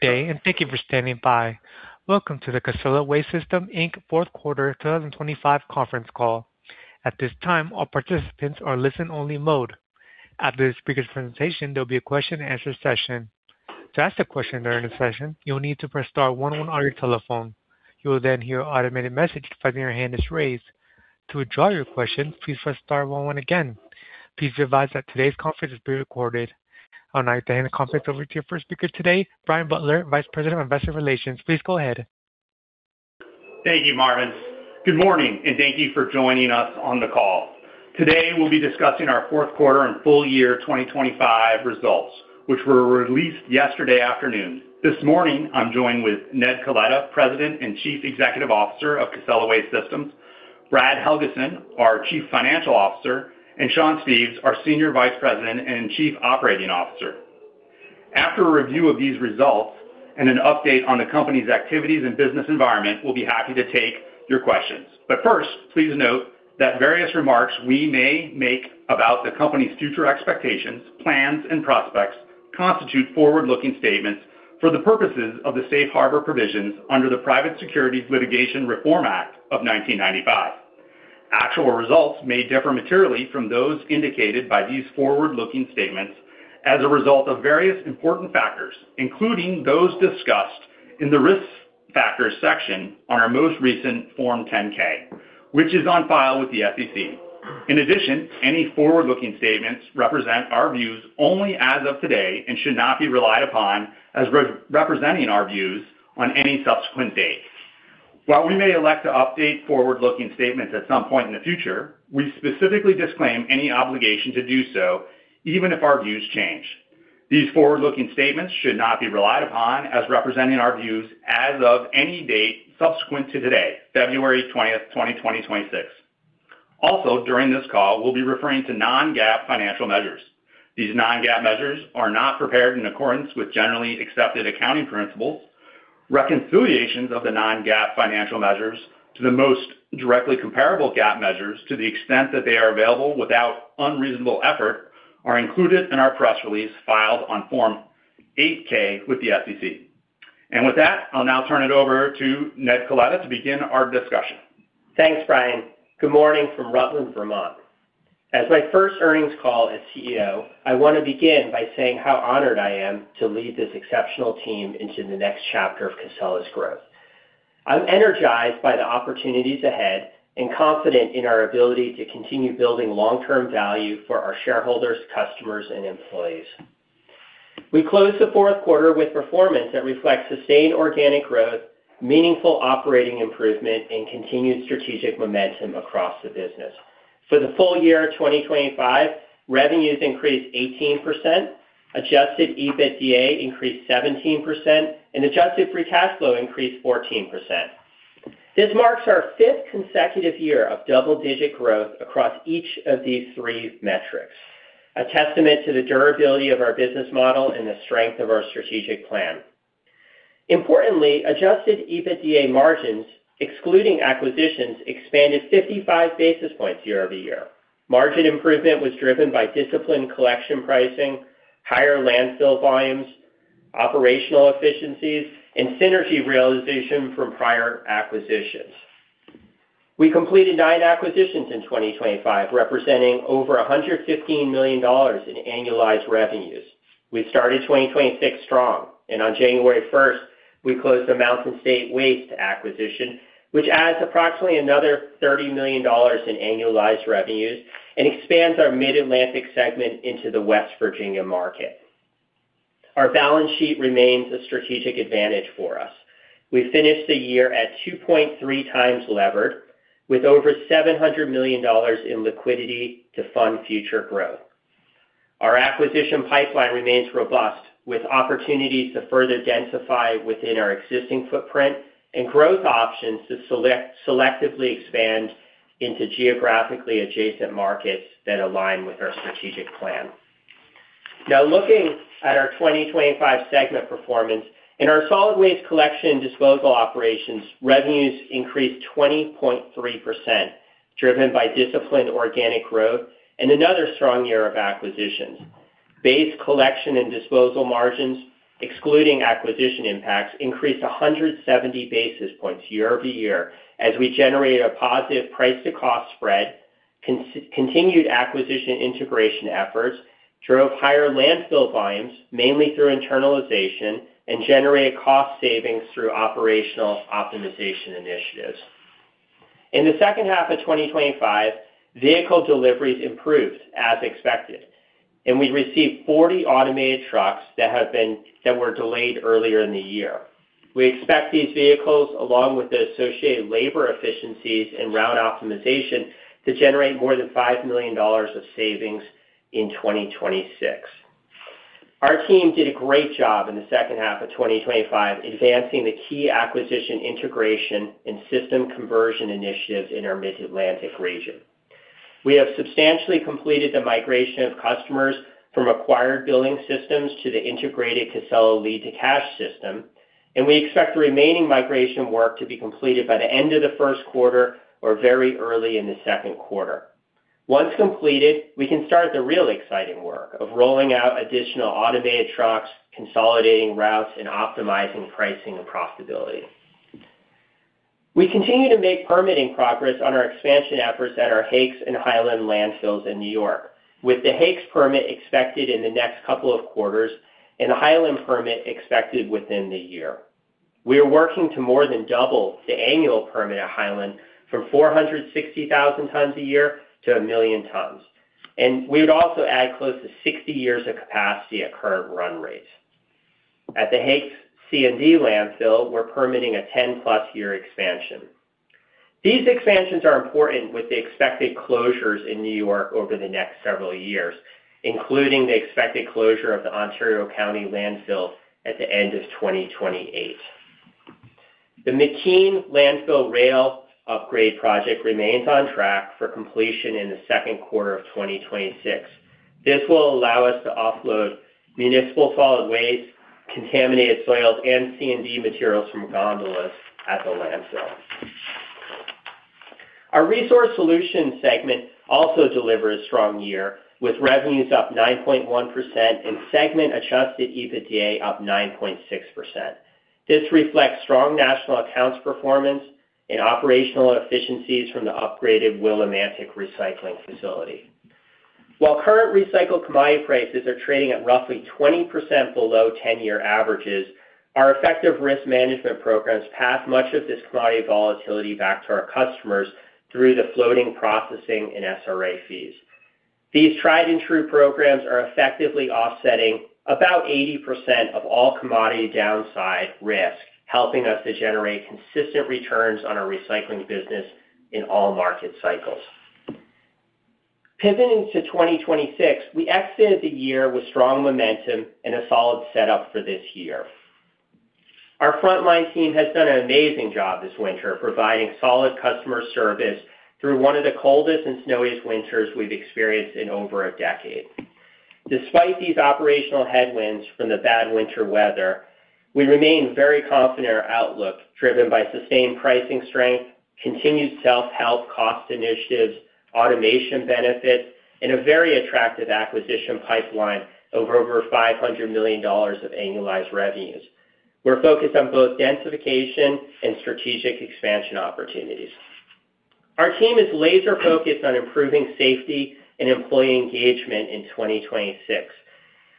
Good day, and thank you for standing by. Welcome to the Casella Waste Systems, Inc Fourth Quarter 2025 Conference Call. At this time, all participants are in listen-only mode. After the speaker's presentation, there'll be a question-and-answer session. To ask a question during the session, you'll need to press star one one on your telephone. You will then hear an automated message confirming your hand is raised. To withdraw your question, please press star one one again. Please be advised that today's conference is being recorded. I'll now hand the conference over to your first speaker today, Brian Butler, Vice President of Investor Relations. Please go ahead. Thank you, Marvin. Good morning, and thank you for joining us on the call. Today, we'll be discussing our fourth quarter and full-year 2025 results, which were released yesterday afternoon. This morning, I'm joined with Ned Coletta, President and Chief Executive Officer of Casella Waste Systems, Brad Helgeson, our Chief Financial Officer, and Sean Steves, our Senior Vice President and Chief Operating Officer. After a review of these results and an update on the company's activities and business environment, we'll be happy to take your questions. But first, please note that various remarks we may make about the company's future expectations, plans, and prospects constitute forward-looking statements for the purposes of the Safe Harbor Provisions under the Private Securities Litigation Reform Act of 1995. Actual results may differ materially from those indicated by these forward-looking statements as a result of various important factors, including those discussed in the Risk Factors section of our most recent Form 10-K, which is on file with the SEC. In addition, any forward-looking statements represent our views only as of today and should not be relied upon as representing our views on any subsequent date. While we may elect to update forward-looking statements at some point in the future, we specifically disclaim any obligation to do so, even if our views change. These forward-looking statements should not be relied upon as representing our views as of any date subsequent to today, February 20th, 2026. Also, during this call, we'll be referring to non-GAAP financial measures. These non-GAAP measures are not prepared in accordance with generally accepted accounting principles. Reconciliations of the non-GAAP financial measures to the most directly comparable GAAP measures, to the extent that they are available without unreasonable effort, are included in our press release filed on Form 8-K with the SEC. With that, I'll now turn it over to Ned Coletta to begin our discussion. Thanks, Brian. Good morning from Rutland, Vermont. As my first earnings call as CEO, I want to begin by saying how honored I am to lead this exceptional team into the next chapter of Casella's growth. I'm energized by the opportunities ahead and confident in our ability to continue building long-term value for our shareholders, customers, and employees. We closed the fourth quarter with performance that reflects sustained organic growth, meaningful operating improvement, and continued strategic momentum across the business. For the full-year 2025, revenues increased 18%, Adjusted EBITDA increased 17%, and Adjusted Free Cash Flow increased 14%. This marks our fifth consecutive year of double-digit growth across each of these three metrics, a testament to the durability of our business model and the strength of our strategic plan. Importantly, Adjusted EBITDA margins, excluding acquisitions, expanded 55 basis points year-over-year. Margin improvement was driven by disciplined collection pricing, higher landfill volumes, operational efficiencies, and synergy realization from prior acquisitions. We completed nine acquisitions in 2025, representing over $115 million in annualized revenues. We started 2026 strong, and on January 1st, we closed the Mountain State Waste acquisition, which adds approximately another $30 million in annualized revenues and expands our Mid-Atlantic segment into the West Virginia market. Our balance sheet remains a strategic advantage for us. We finished the year at 2.3x levered, with over $700 million in liquidity to fund future growth. Our acquisition pipeline remains robust, with opportunities to further densify within our existing footprint and growth options to selectively expand into geographically adjacent markets that align with our strategic plan. Now, looking at our 2025 segment performance. In our solid waste collection and disposal operations, revenues increased 20.3%, driven by disciplined organic growth and another strong year of acquisitions. Base collection and disposal margins, excluding acquisition impacts, increased 170 basis points year-over-year as we generated a positive price to cost spread, continued acquisition integration efforts, drove higher landfill volumes, mainly through internalization, and generated cost savings through operational optimization initiatives. In the second half of 2025, vehicle deliveries improved as expected, and we received 40 automated trucks that were delayed earlier in the year. We expect these vehicles, along with the associated labor efficiencies and route optimization, to generate more than $5 million of savings in 2026. Our team did a great job in the second half of 2025, advancing the key acquisition, integration, and system conversion initiatives in our Mid-Atlantic region. We have substantially completed the migration of customers from acquired billing systems to the integrated Casella Lead-to-Cash System, and we expect the remaining migration work to be completed by the end of the first quarter or very early in the second quarter. Once completed, we can start the real exciting work of rolling out additional automated trucks, consolidating routes, and optimizing pricing and profitability. We continue to make permitting progress on our expansion efforts at our Hakes and Highland landfills in New York, with the Hakes permit expected in the next couple of quarters and the Highland permit expected within the year. We are working to more than double the annual permit at Highland from 460,000 tons a year to 1 million tons, and we would also add close to 60 years of capacity at current run rate. At the Hakes C&D landfill, we're permitting a 10+ year expansion. These expansions are important with the expected closures in New York over the next several years, including the expected closure of the Ontario County landfill at the end of 2028. The McKean Landfill Rail Upgrade Project remains on track for completion in the second quarter of 2026. This will allow us to offload municipal solid waste, contaminated soils, and C&D materials from gondolas at the landfill. Our resource solutions segment also delivered a strong year, with revenues up 9.1% and segment Adjusted EBITDA up 9.6%. This reflects strong national accounts performance and operational efficiencies from the upgraded Willimantic Recycling Facility. While current recycled commodity prices are trading at roughly 20% below ten-year averages, our effective risk management programs pass much of this commodity volatility back to our customers through the floating, processing, and SRA fees. These tried and true programs are effectively offsetting about 80% of all commodity downside risk, helping us to generate consistent returns on our recycling business in all market cycles. Pivoting to 2026, we exited the year with strong momentum and a solid setup for this year. Our frontline team has done an amazing job this winter, providing solid customer service through one of the coldest and snowiest winters we've experienced in over a decade. Despite these operational headwinds from the bad winter weather, we remain very confident in our outlook, driven by sustained pricing strength, continued self-help cost initiatives, automation benefits, and a very attractive acquisition pipeline over $500 million of annualized revenues. We're focused on both densification and strategic expansion opportunities. Our team is laser-focused on improving safety and employee engagement in 2026.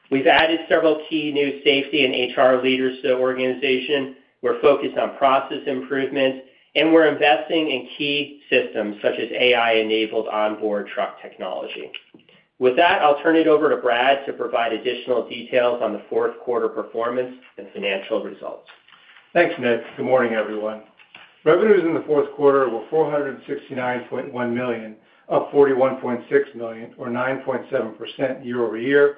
We've added several key new safety and HR leaders to the organization. We're focused on process improvements, and we're investing in key systems such as AI-enabled onboard truck technology. With that, I'll turn it over to Brad to provide additional details on the fourth quarter performance and financial results. Thanks, Ned. Good morning, everyone. Revenues in the fourth quarter were $469.1 million, up $41.6 million, or 9.7% year-over-year,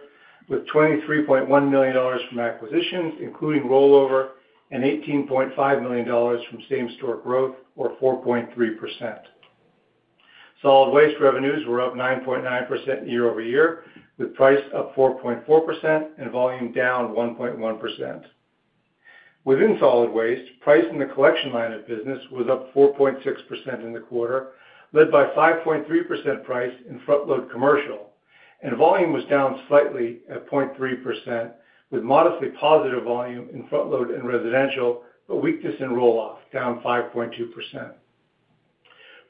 with $23.1 million from acquisitions, including rollover, and $18.5 million from same-store growth, or 4.3%. Solid waste revenues were up 9.9% year-over-year, with price up 4.4% and volume down 1.1%. Within solid waste, price in the collection line of business was up 4.6% in the quarter, led by 5.3% price in frontload commercial, and volume was down slightly at 0.3%, with modestly positive volume in frontload and residential, but weakness in roll-off, down 5.2%.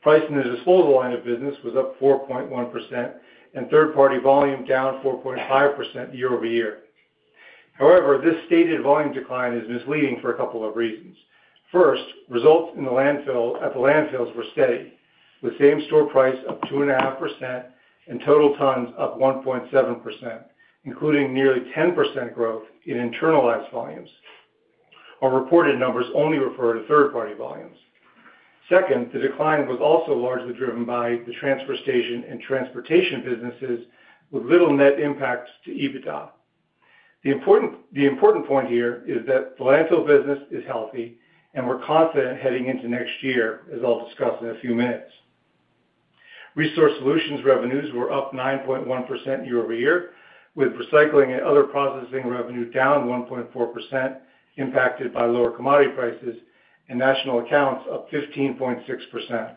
Price in the disposal line of business was up 4.1% and third-party volume down 4.5% year-over-year. However, this stated volume decline is misleading for a couple of reasons. First, results at the landfills were steady, with same-store price up 2.5% and total tons up 1.7%, including nearly 10% growth in internalized volumes. Our reported numbers only refer to third-party volumes. Second, the decline was also largely driven by the transfer station and transportation businesses, with little net impacts to EBITDA. The important point here is that the landfill business is healthy, and we're confident heading into next year, as I'll discuss in a few minutes. Resource Solutions revenues were up 9.1% year-over-year, with recycling and other processing revenue down 1.4%, impacted by lower commodity prices, and national accounts up 15.6%.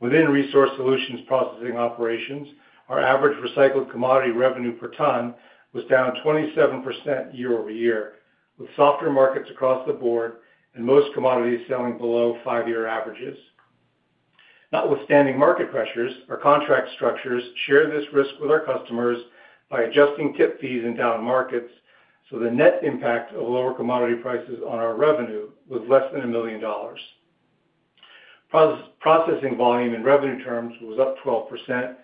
Within Resource Solutions processing operations, our average recycled commodity revenue per ton was down 27% year-over-year, with softer markets across the board and most commodities selling below five-year averages. Notwithstanding market pressures, our contract structures share this risk with our customers by adjusting tip fees in down markets, so the net impact of lower commodity prices on our revenue was less than $1 million. Processing volume in revenue terms was up 12%,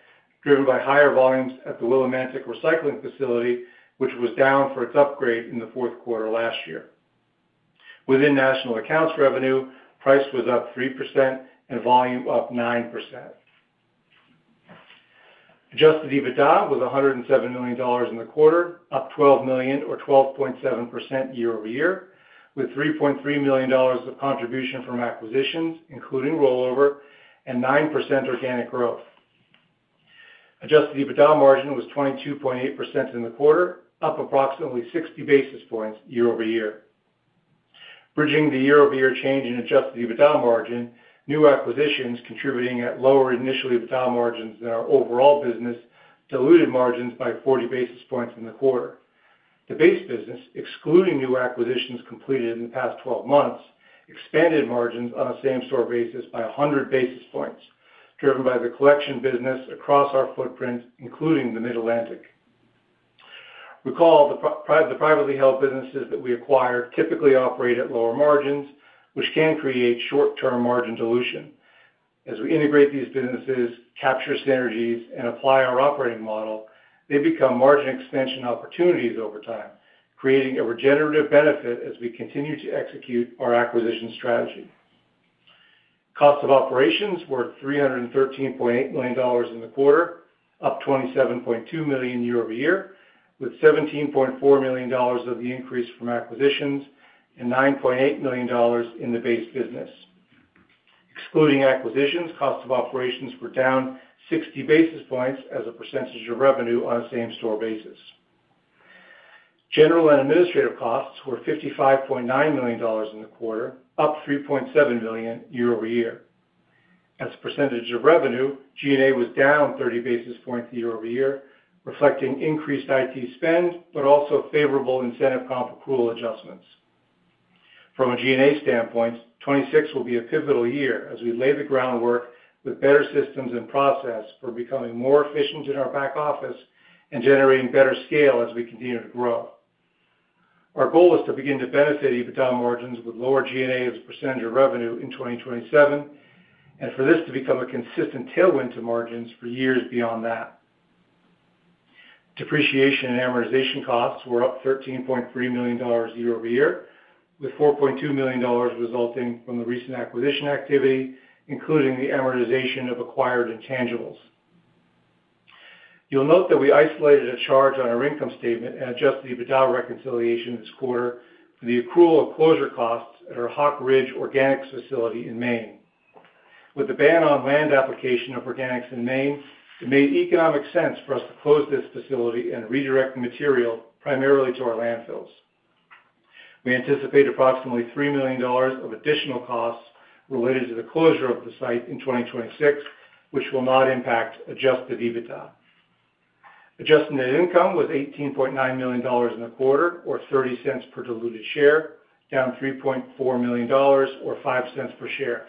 driven by higher volumes at the Willimantic Recycling Facility, which was down for its upgrade in the fourth quarter last year. Within national accounts revenue, price was up 3% and volume up 9%. Adjusted EBITDA was $107 million in the quarter, up $12 million or 12.7% year-over-year, with $3.3 million of contribution from acquisitions, including rollover and 9% organic growth. Adjusted EBITDA margin was 22.8% in the quarter, up approximately 60 basis points year-over-year. Bridging the year-over-year change in adjusted EBITDA margin, new acquisitions contributing at lower initial EBITDA margins than our overall business, diluted margins by 40 basis points in the quarter. The base business, excluding new acquisitions completed in the past 12 months, expanded margins on a same-store basis by 100 basis points, driven by the collection business across our footprint, including the Mid-Atlantic. Recall, the private, the privately held businesses that we acquire typically operate at lower margins, which can create short-term margin dilution. As we integrate these businesses, capture synergies, and apply our operating model, they become margin expansion opportunities over time, creating a regenerative benefit as we continue to execute our acquisition strategy. Cost of operations were $313.8 million in the quarter, up $27.2 million year-over-year, with $17.4 million of the increase from acquisitions and $9.8 million in the base business. Excluding acquisitions, costs of operations were down 60 basis points as a percentage of revenue on a same-store basis. General and administrative costs were $55.9 million in the quarter, up $3.7 million year-over-year. As a percentage of revenue, G&A was down 30 basis points year-over-year, reflecting increased IT spend, but also favorable incentive comp accrual adjustments. From a G&A standpoint, 2026 will be a pivotal year as we lay the groundwork with better systems and process for becoming more efficient in our back office and generating better scale as we continue to grow. Our goal is to begin to benefit EBITDA margins with lower G&A as a percentage of revenue in 2027, and for this to become a consistent tailwind to margins for years beyond that. Depreciation and amortization costs were up $13.3 million year-over-year, with $4.2 million resulting from the recent acquisition activity, including the amortization of acquired intangibles. You'll note that we isolated a charge on our income statement and adjusted the EBITDA reconciliation this quarter for the accrual of closure costs at our Hawk Ridge Organics facility in Maine. With the ban on land application of organics in Maine, it made economic sense for us to close this facility and redirect the material primarily to our landfills. We anticipate approximately $3 million of additional costs related to the closure of the site in 2026, which will not impact adjusted EBITDA. Adjusted net income was $18.9 million in the quarter, or $0.30 per diluted share, down $3.4 million, or $0.05 per share.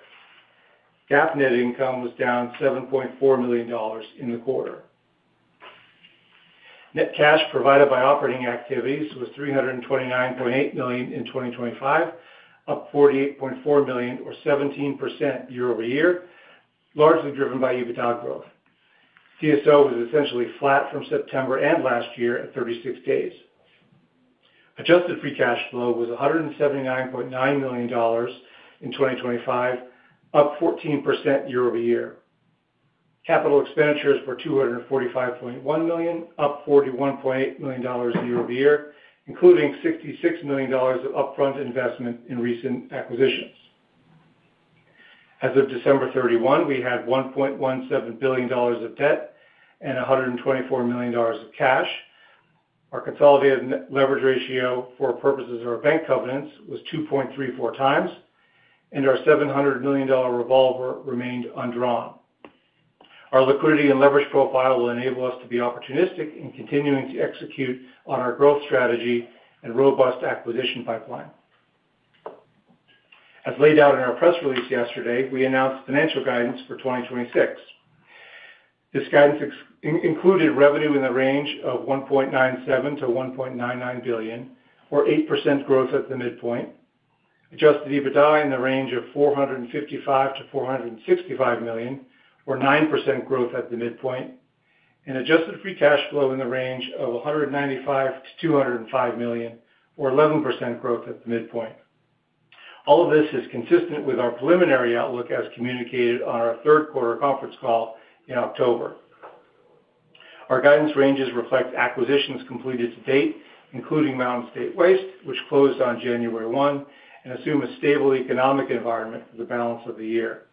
GAAP net income was down $7.4 million in the quarter. Net cash provided by operating activities was $329.8 million in 2025, up $48.4 million or 17% year-over-year, largely driven by EBITDA growth. DSO was essentially flat from September and last year at 36 days. Adjusted Free Cash Flow was $179.9 million in 2025, up 14% year-over-year. Capital expenditures were $245.1 million, up $41.8 million year-over-year, including $66 million of upfront investment in recent acquisitions. As of December 31, we had $1.17 billion of debt and $124 million of cash. Our consolidated net leverage ratio for purposes of our bank covenants was 2.34x, and our $700 million revolver remained undrawn. Our liquidity and leverage profile will enable us to be opportunistic in continuing to execute on our growth strategy and robust acquisition pipeline. As laid out in our press release yesterday, we announced financial guidance for 2026. This guidance included revenue in the range of $1.97 billion-$1.99 billion, or 8% growth at the midpoint. Adjusted EBITDA in the range of $455 million-$465 million, or 9% growth at the midpoint, and adjusted free cash flow in the range of $195 million-$205 million, or 11% growth at the midpoint. All of this is consistent with our preliminary outlook, as communicated on our third quarter conference call in October. Our guidance ranges reflect acquisitions completed to date, including Mountain State Waste, which closed on January 1, and assume a stable economic environment for the balance of the year.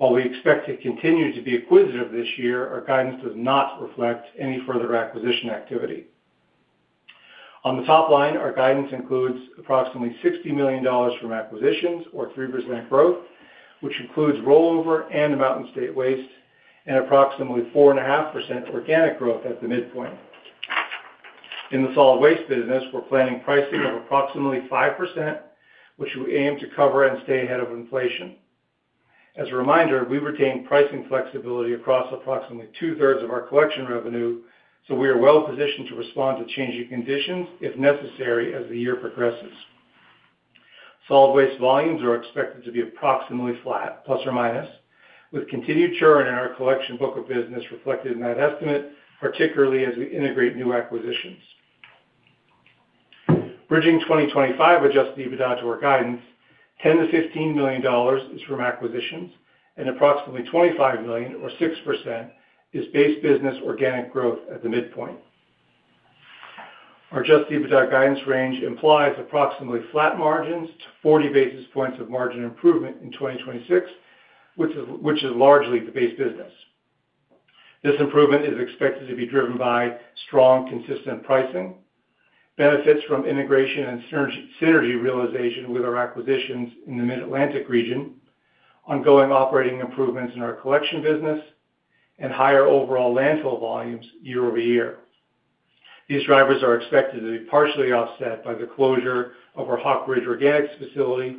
While we expect to continue to be acquisitive this year, our guidance does not reflect any further acquisition activity. On the top line, our guidance includes approximately $60 million from acquisitions, or 3% growth, which includes rollover and the Mountain State Waste, and approximately 4.5% organic growth at the midpoint. In the solid waste business, we're planning pricing of approximately 5%, which we aim to cover and stay ahead of inflation. As a reminder, we retain pricing flexibility across approximately two-thirds of our collection revenue, so we are well positioned to respond to changing conditions, if necessary, as the year progresses. Solid waste volumes are expected to be approximately flat, plus or minus, with continued churn in our collection book of business reflected in that estimate, particularly as we integrate new acquisitions. Bridging 2025 adjusted EBITDA to our guidance, $10 million-$15 million is from acquisitions, and approximately $25 million or 6% is base business organic growth at the midpoint. Our adjusted EBITDA guidance range implies approximately flat margins to 40 basis points of margin improvement in 2026, which is largely the base business. This improvement is expected to be driven by strong, consistent pricing, benefits from integration and synergy realization with our acquisitions in the Mid-Atlantic region, ongoing operating improvements in our collection business, and higher overall landfill volumes year-over-year. These drivers are expected to be partially offset by the closure of our Hawk Ridge Organics facility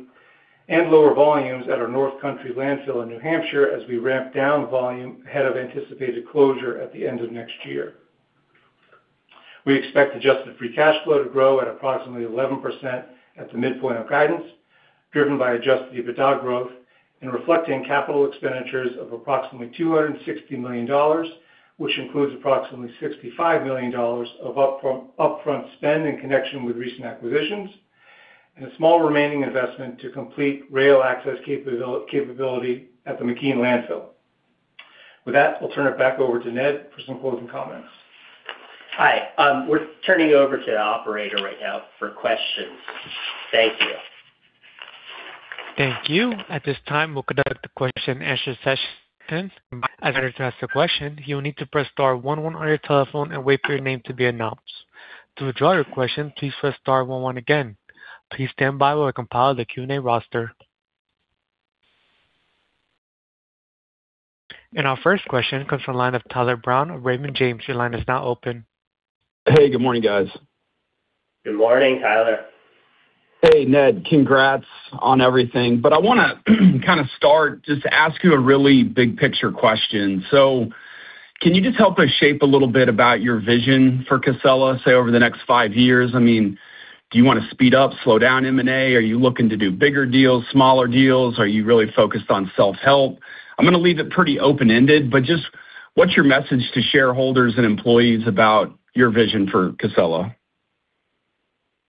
and lower volumes at our North Country landfill in New Hampshire, as we ramp down volume ahead of anticipated closure at the end of next year. We expect adjusted free cash flow to grow at approximately 11% at the midpoint of guidance, driven by adjusted EBITDA growth and reflecting capital expenditures of approximately $260 million, which includes approximately $65 million of upfront spend in connection with recent acquisitions, and a small remaining investment to complete rail access capability at the McKean landfill. With that, I'll turn it back over to Ned for some closing comments. Hi, we're turning over to the operator right now for questions. Thank you. Thank you. At this time, we'll conduct a question-and-answer session. As you ask the question, you will need to press star one one on your telephone and wait for your name to be announced. To withdraw your question, please press star one one again. Please stand by while we compile the Q&A roster. Our first question comes from the line of Tyler Brown of Raymond James. Your line is now open. Hey, good morning, guys. Good morning, Tyler. Hey, Ned. Congrats on everything, but I want to kind of start, just ask you a really big picture question. So can you just help us shape a little bit about your vision for Casella, say, over the next five years? I mean, do you want to speed up, slow down M&A? Are you looking to do bigger deals, smaller deals? Are you really focused on self-help? I'm going to leave it pretty open-ended, but just what's your message to shareholders and employees about your vision for Casella?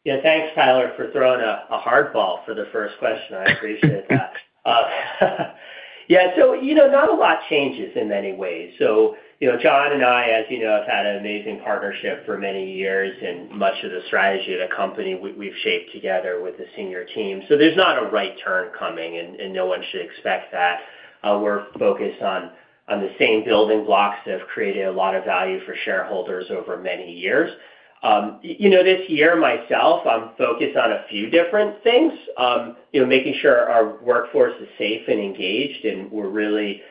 Yeah, thanks, Tyler, for throwing a hardball for the first question. I appreciate that. Yeah, so you know, not a lot changes in many ways. So, you know, John and I, as you know, have had an amazing partnership for many years, and much of the strategy of the company, we've shaped together with the senior team. So there's not a right turn coming, and no one should expect that. We're focused on the same building blocks that have created a lot of value for shareholders over many years. You know, this year, myself, I'm focused on a few different things. You know, making sure our workforce is safe and engaged, and we're really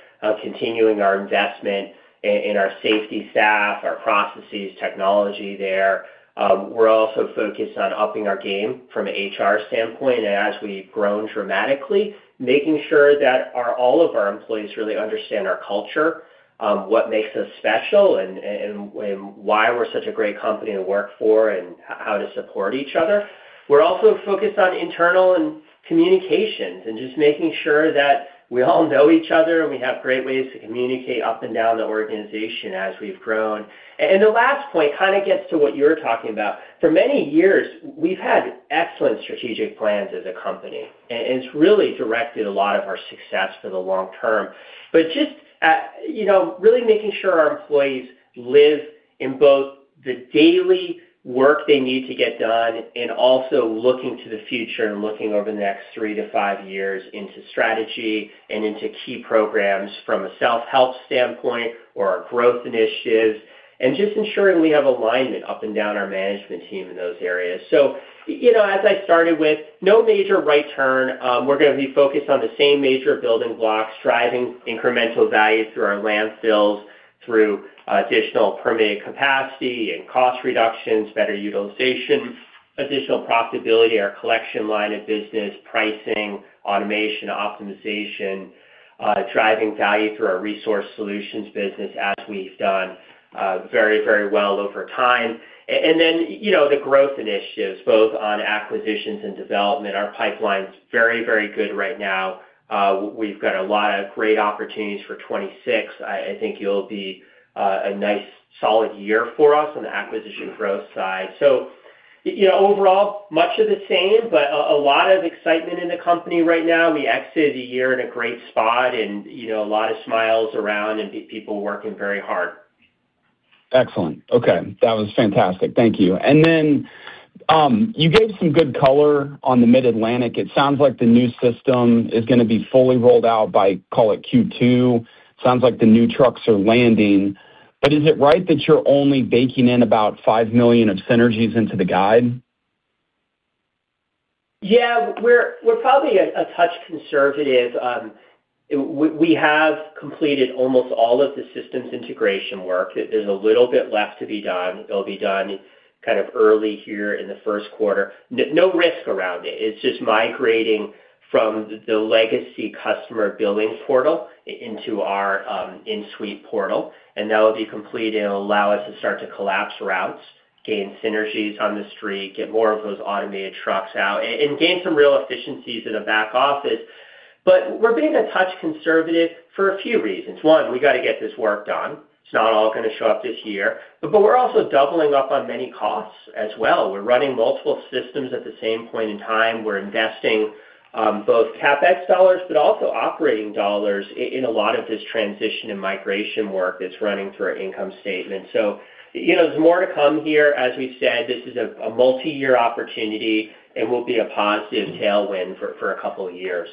continuing our investment in our safety staff, our processes, technology there. We're also focused on upping our game from an HR standpoint, and as we've grown dramatically, making sure that our all of our employees really understand our culture, what makes us special and, and why we're such a great company to work for and how to support each other. We're also focused on internal and communications and just making sure that we all know each other, and we have great ways to communicate up and down the organization as we've grown. The last point kind of gets to what you're talking about. For many years, we've had excellent strategic plans as a company, and it's really directed a lot of our success for the long term. But just, you know, really making sure our employees live in both the daily work they need to get done and also looking to the future and looking over the next three to five years into strategy and into key programs from a self-help standpoint or our growth initiatives, and just ensuring we have alignment up and down our management team in those areas. So, you know, as I started with, no major right turn. We're going to be focused on the same major building blocks, driving incremental value through our landfills, through additional permitted capacity and cost reductions, better utilization, additional profitability, our collection line of business, pricing, automation, optimization, driving value through our resource solutions business as we've done very, very well over time. And then, you know, the growth initiatives, both on acquisitions and development. Our pipeline's very, very good right now. We've got a lot of great opportunities for 2026. I think it'll be a nice, solid year for us on the acquisition growth side. So, you know, overall, much of the same, but a lot of excitement in the company right now. We exited the year in a great spot and, you know, a lot of smiles around and people working very hard. Excellent. Okay, that was fantastic. Thank you. And then, you gave some good color on the Mid-Atlantic. It sounds like the new system is going to be fully rolled out by, call it Q2. Sounds like the new trucks are landing, but is it right that you're only baking in about $5 million of synergies into the guide? Yeah, we're probably a touch conservative. We have completed almost all of the systems integration work. There's a little bit left to be done. It'll be done kind of early here in the first quarter. No risk around it. It's just migrating from the legacy customer billing portal into our in-suite portal, and that will be complete, and it'll allow us to start to collapse routes, gain synergies on the street, get more of those automated trucks out, and gain some real efficiencies in the back office. But we're being a touch conservative for a few reasons. One, we got to get this work done. It's not all going to show up this year, but we're also doubling up on many costs as well. We're running multiple systems at the same point in time. We're investing both CapEx dollars, but also operating dollars in a lot of this transition and migration work that's running through our income statement. So you know, there's more to come here. As we've said, this is a multi-year opportunity and will be a positive tailwind for a couple of years.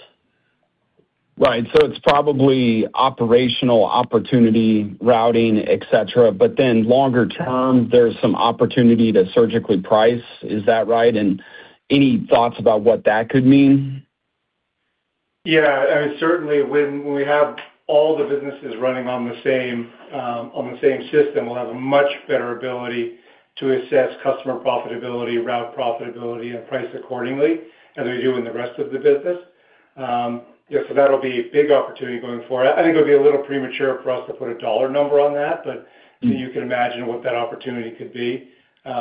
Right. So it's probably operational opportunity, routing, et cetera, but then longer term, there's some opportunity to surgically price. Is that right? And any thoughts about what that could mean? Yeah, I mean, certainly, when we have all the businesses running on the same, on the same system, we'll have a much better ability to assess customer profitability, route profitability, and price accordingly, as we do in the rest of the business. Yeah, so that'll be a big opportunity going forward. I think it'll be a little premature for us to put a dollar number on that, but you can imagine what that opportunity could be. You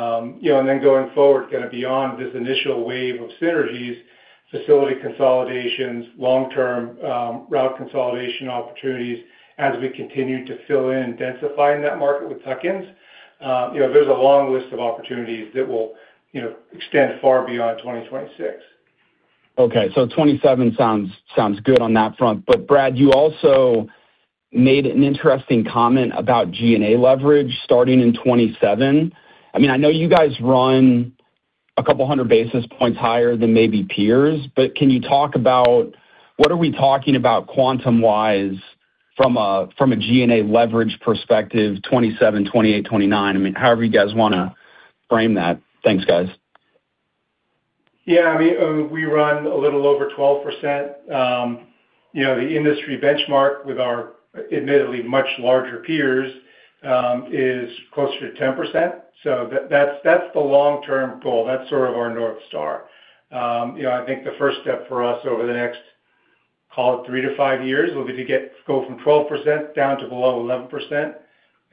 know, going forward, kind of beyond this initial wave of synergies, facility consolidations, long-term, route consolidation opportunities, as we continue to fill in and densify in that market with tuck-ins, you know, there's a long list of opportunities that will, you know, extend far beyond 2026. Okay, so 2027 sounds good on that front. But Brad, you also made an interesting comment about G&A leverage starting in 2027. I mean, I know you guys run a couple hundred basis points higher than maybe peers, but can you talk about what are we talking about quantum-wise from a G&A leverage perspective, 2027, 2028, 2029? I mean, however you guys wanna frame that. Thanks, guys. Yeah, I mean, we run a little over 12%. You know, the industry benchmark with our admittedly much larger peers is closer to 10%. So that's, that's the long-term goal. That's sort of our North Star. You know, I think the first step for us over the next, call it three to five years, will be to get from 12% down to below 11%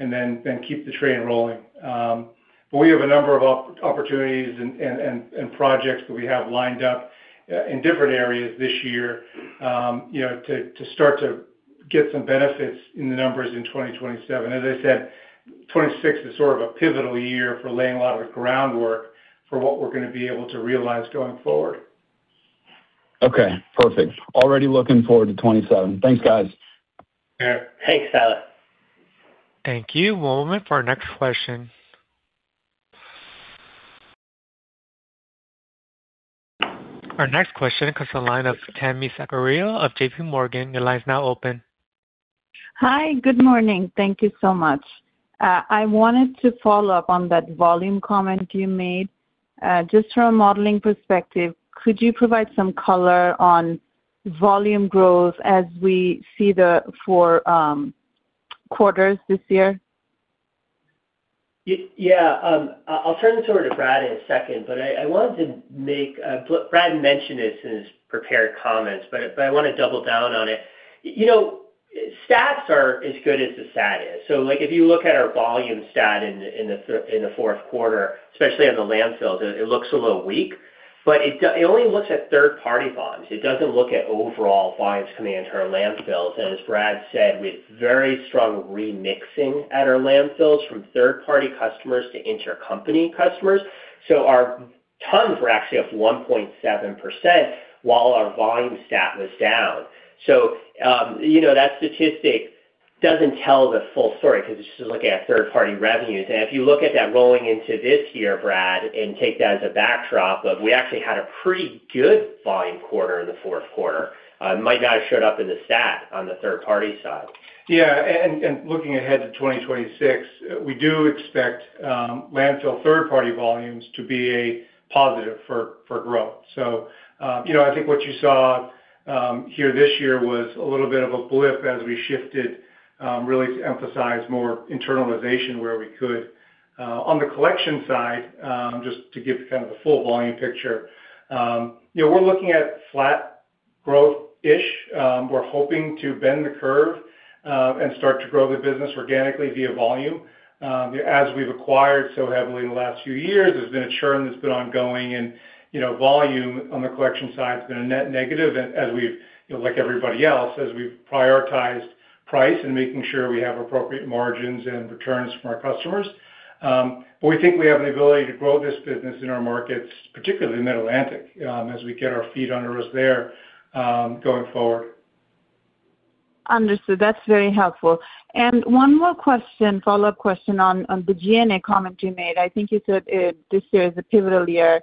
and then keep the train rolling. But we have a number of opportunities and projects that we have lined up in different areas this year, you know, to start to get some benefits in the numbers in 2027. As I said, 2026 is sort of a pivotal year for laying a lot of the groundwork for what we're gonna be able to realize going forward. Okay, perfect. Already looking forward to 2027. Thanks, guys. Sure. Thanks, Tyler. Thank you. One moment for our next question. Our next question comes from the line of Tami Zakaria of JPMorgan. Your line is now open. Hi, good morning. Thank you so much. I wanted to follow up on that volume comment you made. Just from a modeling perspective, could you provide some color on volume growth as we see the four quarters this year? Yeah. I'll turn this over to Brad in a second, but I wanted to make, Brad mentioned this in his prepared comments, but I wanna double down on it. You know, stats are as good as the stat is. So like, if you look at our volume stat in the fourth quarter, especially on the landfills, it looks a little weak, but it only looks at third-party volumes. It doesn't look at overall volumes coming into our landfills. And as Brad said, with very strong remixing at our landfills from third-party customers to intercompany customers. So our tons were actually up 1.7% while our volume stat was down. So, you know, that statistic doesn't tell the full story because it's just looking at third-party revenues. If you look at that rolling into this year, Brad, and take that as a backdrop of we actually had a pretty good volume quarter in the fourth quarter, it might not have showed up in the stat on the third party side. Yeah, and looking ahead to 2026, we do expect landfill third-party volumes to be a positive for growth. So, you know, I think what you saw here this year was a little bit of a blip as we shifted really to emphasize more internalization where we could. On the collection side, just to give kind of the full volume picture, you know, we're looking at flat growth-ish. We're hoping to bend the curve and start to grow the business organically via volume. As we've acquired so heavily in the last few years, there's been a churn that's been ongoing and, you know, volume on the collection side has been a net negative. And as we've, you know, like everybody else, prioritized price and making sure we have appropriate margins and returns from our customers. But we think we have an ability to grow this business in our markets, particularly in Mid-Atlantic, as we get our feet under us there, going forward. Understood. That's very helpful. And one more question, follow-up question on, on the G&A comment you made. I think you said this year is a pivotal year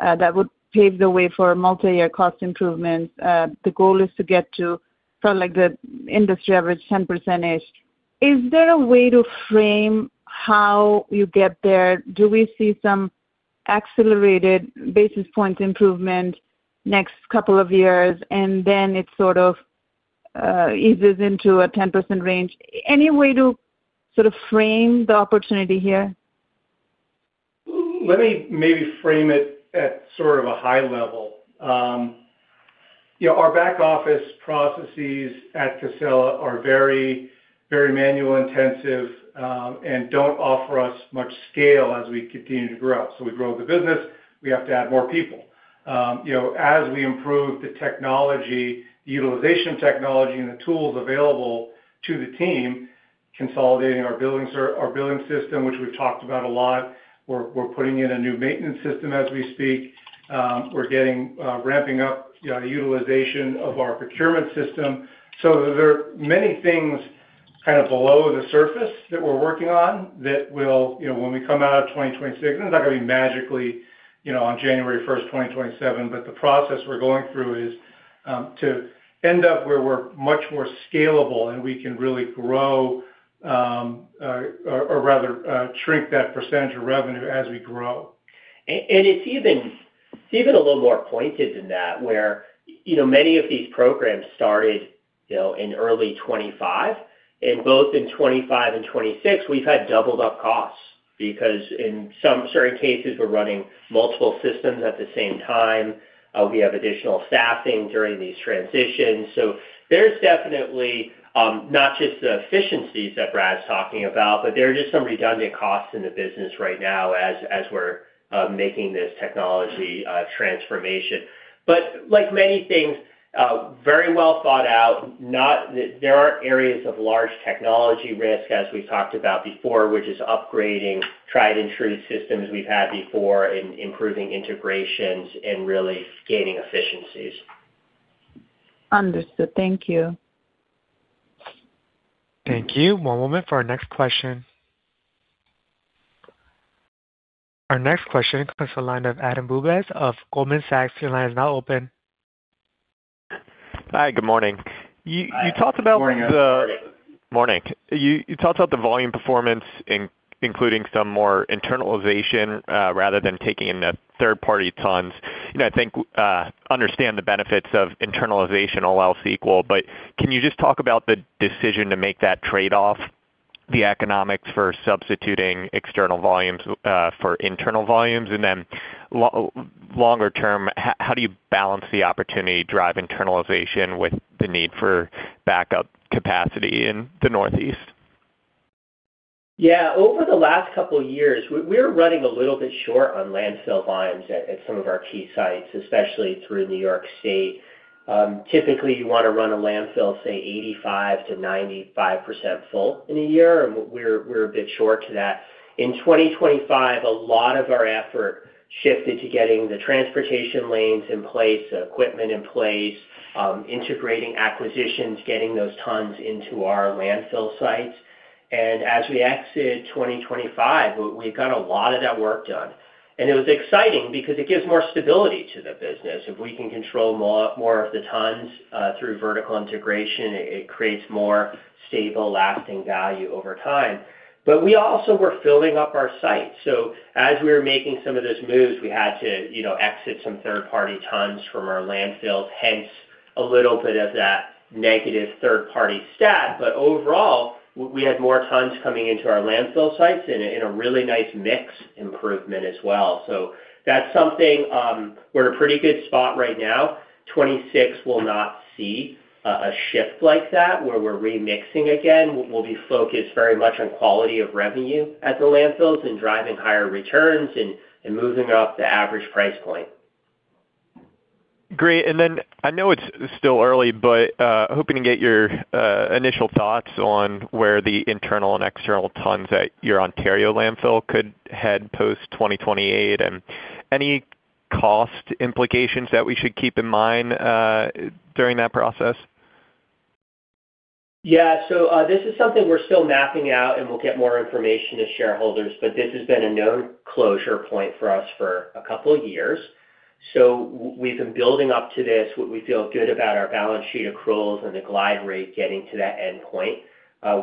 that would pave the way for multiyear cost improvements. The goal is to get to sort of like the industry average, 10%. Is there a way to frame how you get there? Do we see some accelerated basis points improvement next couple of years, and then it sort of eases into a 10% range? Any way to sort of frame the opportunity here? Let me maybe frame it at sort of a high level. You know, our back-office processes at Casella are very, very manual intensive, and don't offer us much scale as we continue to grow. So we grow the business, we have to add more people. You know, as we improve the technology, the utilization technology, and the tools available to the team, consolidating our billing system, which we've talked about a lot, we're putting in a new maintenance system as we speak. We're getting ramping up utilization of our procurement system. So there are many things kind of below the surface that we're working on, that will, you know, when we come out of 2026, it's not gonna be magically, you know, on January 1st, 2027. But the process we're going through is to end up where we're much more scalable, and we can really grow, or rather, shrink that percentage of revenue as we grow. It's even a little more pointed than that, where you know, many of these programs started, you know, in early 2025, and both in 2025 and 2026, we've had doubled up costs because in some certain cases, we're running multiple systems at the same time. We have additional staffing during these transitions. So there's definitely not just the efficiencies that Brad's talking about, but there are just some redundant costs in the business right now as we're making this technology transformation. But like many things, very well thought out, not that there aren't areas of large technology risk, as we talked about before, which is upgrading tried and true systems we've had before and improving integrations and really gaining efficiencies. Understood. Thank you. Thank you. One moment for our next question. Our next question comes from the line of Adam Bubes of Goldman Sachs. Your line is now open. Hi, good morning. Hi, good morning. Morning. You talked about the volume performance, including some more internalization, rather than taking in the third-party tons. You know, I think understand the benefits of internalization, all else equal. But can you just talk about the decision to make that trade-off, the economics for substituting external volumes for internal volumes? And then longer term, how do you balance the opportunity to drive internalization with the need for backup capacity in the Northeast? Yeah. Over the last couple of years, we're running a little bit short on landfill volumes at some of our key sites, especially through New York State. Typically, you want to run a landfill, say, 85%-95% full in a year, and we're a bit short to that. In 2025, a lot of our effort shifted to getting the transportation lanes in place, the equipment in place, integrating acquisitions, getting those tons into our landfill sites. And as we exited 2025, we got a lot of that work done. And it was exciting because it gives more stability to the business. If we can control more of the tons through vertical integration, it creates more stable, lasting value over time. But we also were filling up our site, so as we were making some of those moves, we had to, you know, exit some third-party tons from our landfills, hence a little bit of that negative third-party stat. But overall, we had more tons coming into our landfill sites in a really nice mix improvement as well. So that's something, we're in a pretty good spot right now. 2026 will not see a shift like that, where we're remixing again. We'll be focused very much on quality of revenue at the landfills and driving higher returns and moving up the average price point. Great. And then I know it's still early, but hoping to get your initial thoughts on where the internal and external tons at your Ontario landfill could head post-2028, and any cost implications that we should keep in mind during that process? Yeah. So, this is something we're still mapping out, and we'll get more information to shareholders, but this has been a known closure point for us for a couple of years. So we've been building up to this, what we feel good about our balance sheet accruals and the glide rate getting to that endpoint.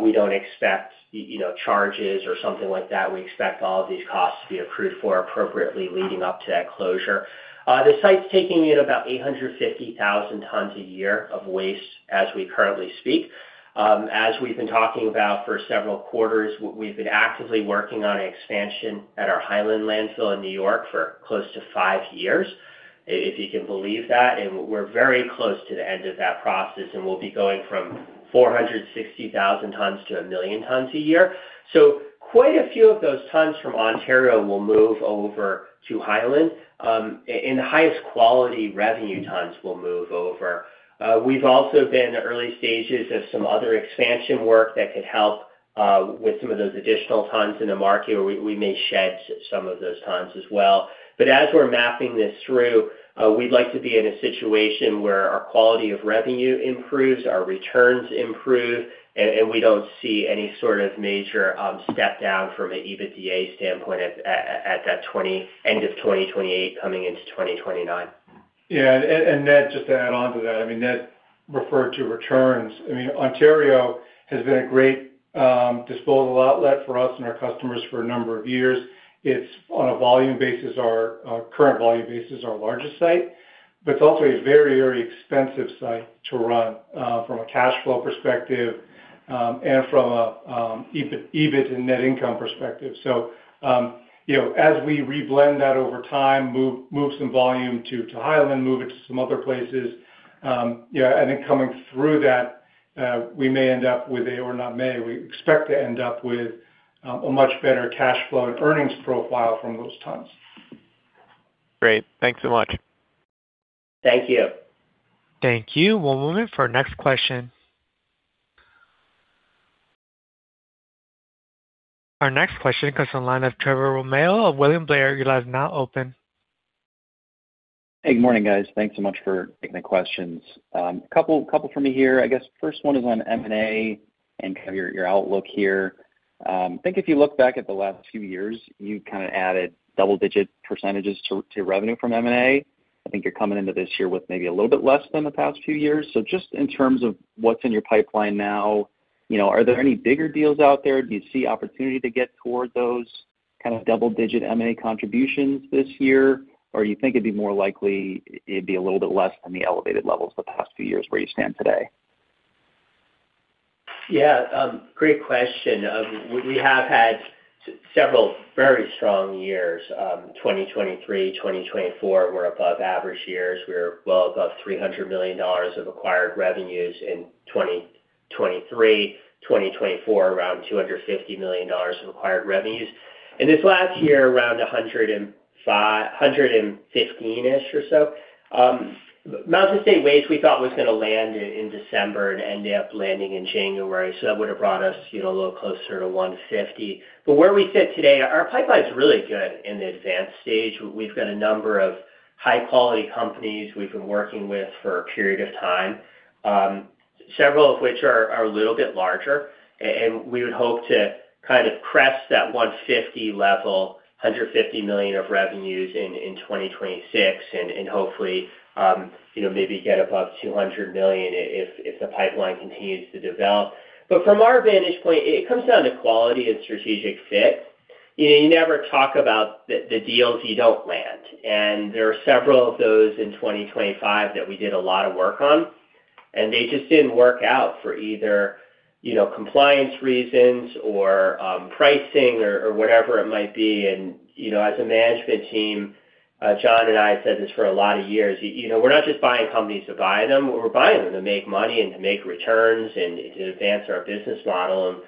We don't expect, you know, charges or something like that. We expect all of these costs to be accrued for appropriately leading up to that closure. The site's taking in about 850,000 tons a year of waste as we currently speak. As we've been talking about for several quarters, we've been actively working on an expansion at our Highland landfill in New York for close to five years, if you can believe that, and we're very close to the end of that process, and we'll be going from 400,000 tons to 1 million tons a year. So quite a few of those tons from Ontario will move over to Highland, and the highest quality revenue tons will move over. We've also been in the early stages of some other expansion work that could help with some of those additional tons in the market, where we may shed some of those tons as well. But as we're mapping this through, we'd like to be in a situation where our quality of revenue improves, our returns improve, and we don't see any sort of major step down from an EBITDA standpoint at the end of 2028, coming into 2029. Yeah, Ned, just to add on to that, I mean, Ned referred to returns. I mean, Ontario has been a great disposal outlet for us and our customers for a number of years. It's, on a volume basis, our current volume basis, our largest site, but it's also a very, very expensive site to run from a cash flow perspective, and from a EBIT and net income perspective. So, you know, as we reblend that over time, move some volume to Highland, move it to some other places, yeah, and then coming through that, we may end up with or not may, we expect to end up with a much better cash flow and earnings profile from those tons. Great. Thanks so much. Thank you. Thank you. One moment for our next question. Our next question comes on the line of Trevor Romeo of William Blair. Your line is now open. Hey, good morning, guys. Thanks so much for taking the questions. A couple for me here. I guess first one is on M&A and kind of your outlook here. I think if you look back at the last few years, you kind of added double-digit percentages to revenue from M&A. I think you're coming into this year with maybe a little bit less than the past few years. So just in terms of what's in your pipeline now, you know, are there any bigger deals out there? Do you see opportunity to get toward those kind of double-digit M&A contributions this year? Or you think it'd be more likely it'd be a little bit less than the elevated levels the past few years where you stand today? Yeah, great question. We have had several very strong years. 2023, 2024 were above average years. We were well above $300 million of acquired revenues in 2023. 2024, around $250 million of acquired revenues. And this last year, around $115 million-ish or so. Mountain State Waste, we thought, was going to land in December and ended up landing in January, so that would have brought us, you know, a little closer to $150 million. But where we sit today, our pipeline is really good in the advanced stage. We've got a number of high-quality companies we've been working with for a period of time, several of which are a little bit larger. And we would hope to kind of crest that $150 million level, $150 million of revenues in 2026, and hopefully, you know, maybe get above $200 million if, if the pipeline continues to develop. But from our vantage point, it comes down to quality and strategic fit. You know, you never talk about the deals you don't land, and there are several of those in 2025 that we did a lot of work on, and they just didn't work out for either, you know, compliance reasons or pricing or whatever it might be. And, you know, as a management team, John and I have said this for a lot of years, you know, we're not just buying companies to buy them. We're buying them to make money and to make returns and to advance our business model,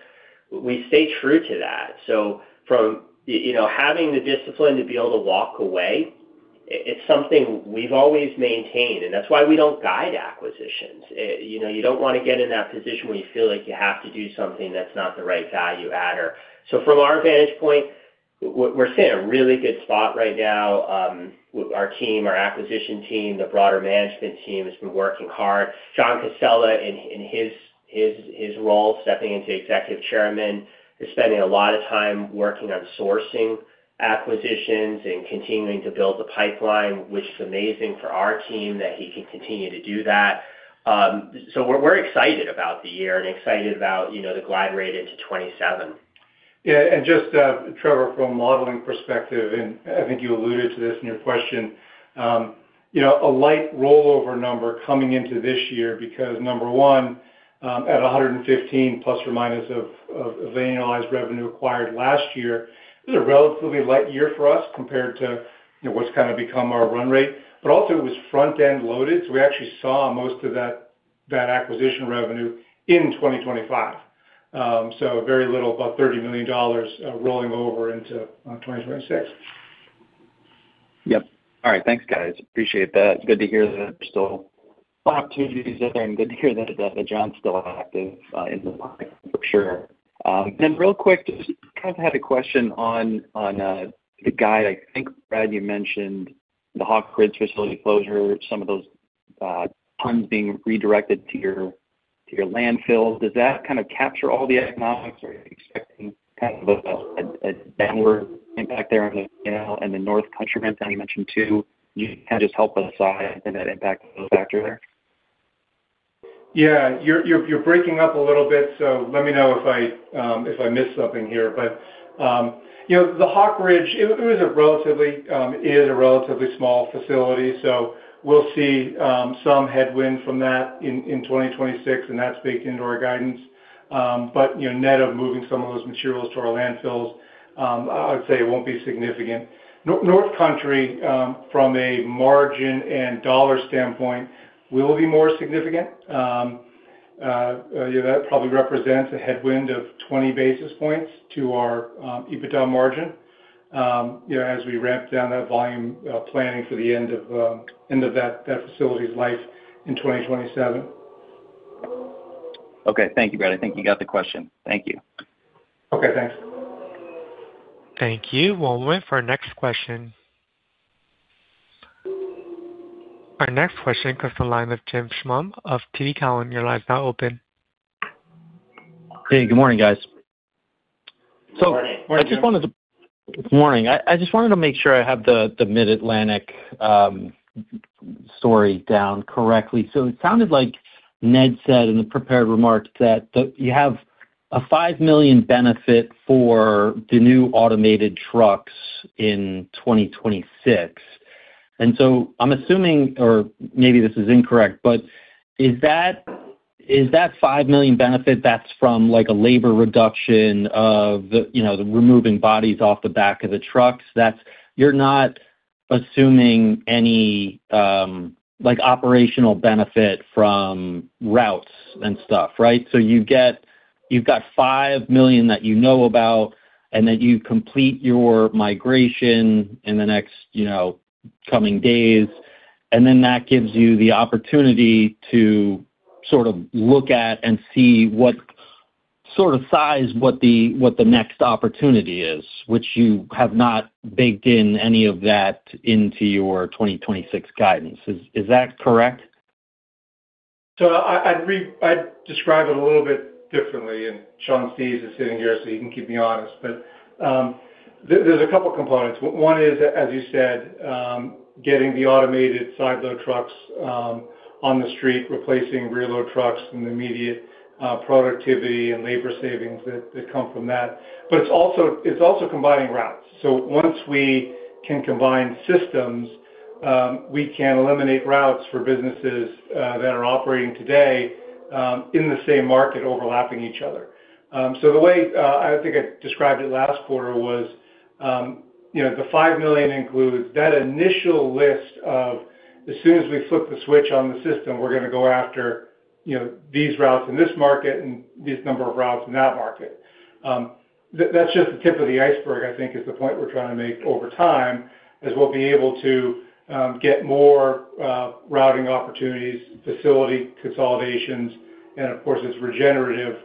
and we stay true to that. So from you know, having the discipline to be able to walk away, it's something we've always maintained, and that's why we don't guide acquisitions. You know, you don't want to get in that position where you feel like you have to do something that's not the right value adder. So from our vantage point, we're sitting in a really good spot right now. Our team, our acquisition team, the broader management team has been working hard. John Casella, in his role, stepping into Executive Chairman, is spending a lot of time working on sourcing acquisitions and continuing to build the pipeline, which is amazing for our team that he can continue to do that. So we're excited about the year and excited about, you know, the glide rate into 2027. Yeah, and just, Trevor, from a modeling perspective, and I think you alluded to this in your question. You know, a light rollover number coming into this year, because number one, at $115 million± of annualized revenue acquired last year, it was a relatively light year for us compared to, you know, what's kind of become our run rate. But also it was front-end loaded, so we actually saw most of that acquisition revenue in 2025. So very little, about $30 million, rolling over into 2026. Yep. All right. Thanks, guys. Appreciate that. It's good to hear that there's still opportunities out there, and good to hear that, John's still active, in the market for sure. Then real quick, just kind of had a question on, on, the guide. I think, Brad, you mentioned the Hawk Ridge facility closure, some of those, tons being redirected to your, to your landfills. Does that kind of capture all the economics, or are you expecting kind of a downward impact there on the scale and the North Country mix that you mentioned, too? You can just help us size and that impact factor there. Yeah, you're breaking up a little bit, so let me know if I missed something here. But you know, the Hawk Ridge, it was a relatively is a relatively small facility, so we'll see some headwind from that in 2026, and that's baked into our guidance. But you know, net of moving some of those materials to our landfills, I'd say it won't be significant. North Country, from a margin and dollar standpoint, will be more significant. Yeah, that probably represents a headwind of 20 basis points to our EBITDA margin, you know, as we ramp down that volume, planning for the end of that facility's life in 2027. Okay. Thank you, Brad. I think you got the question. Thank you. Okay, thanks. Thank you. We'll wait for our next question. Our next question comes from the line of Jim Schumm of TD Cowen. Your line is now open. Hey, good morning, guys. Good morning. Good morning. I just wanted to make sure I have the Mid-Atlantic story down correctly. So it sounded like Ned said in the prepared remarks that you have a $5 million benefit for the new automated trucks in 2026. And so I'm assuming, or maybe this is incorrect, but is that $5 million benefit that's from, like, a labor reduction of the, you know, removing bodies off the back of the trucks? That's you're not assuming any, like, operational benefit from routes and stuff, right? So you get you've got $5 million that you know about, and then you complete your migration in the next, you know, coming days, and then that gives you the opportunity to sort of look at and see what sort of size, what the next opportunity is, which you have not baked in any of that into your 2026 guidance. Is that correct? So I'd describe it a little bit differently, and Sean Steves is sitting here, so he can keep me honest. But there's a couple components. One is, as you said, getting the automated side load trucks on the street, replacing reload trucks and the immediate productivity and labor savings that come from that. But it's also combining routes. So once we can combine systems, we can eliminate routes for businesses that are operating today in the same market, overlapping each other. So the way I think I described it last quarter was, you know, the $5 million includes that initial list of as soon as we flip the switch on the system, we're going to go after, you know, these routes in this market and these number of routes in that market. That's just the tip of the iceberg, I think, is the point we're trying to make over time, as we'll be able to get more routing opportunities, facility consolidations, and of course, it's regenerative,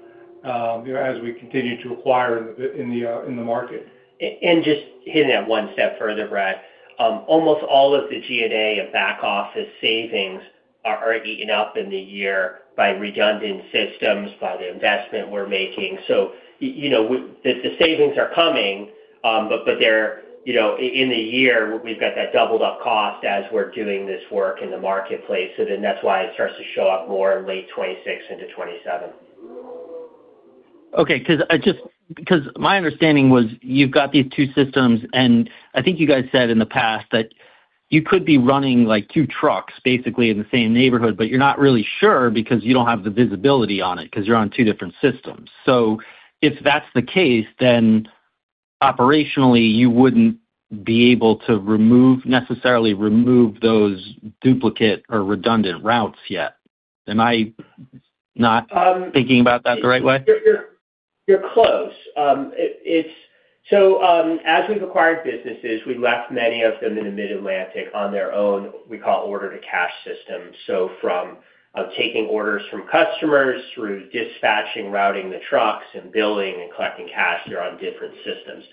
you know, as we continue to acquire in the market. Just hitting that one step further, Brad. Almost all of the G&A and back office savings are already eaten up in the year by redundant systems, by the investment we're making. So, you know, the savings are coming, but they're, you know, in the year, we've got that doubled up cost as we're doing this work in the marketplace. So then that's why it starts to show up more in late 2026 into 2027. Okay, because my understanding was you've got these two systems, and I think you guys said in the past that you could be running, like, two trucks basically in the same neighborhood, but you're not really sure because you don't have the visibility on it because you're on two different systems. So if that's the case, then operationally, you wouldn't be able to remove, necessarily remove those duplicate or redundant routes yet. Am I not thinking about that the right way? You're close. It's so as we've acquired businesses, we left many of them in the Mid-Atlantic on their own, we call it order-to-cash system. So from taking orders from customers through dispatching, routing the trucks and billing and collecting cash, they're on different systems.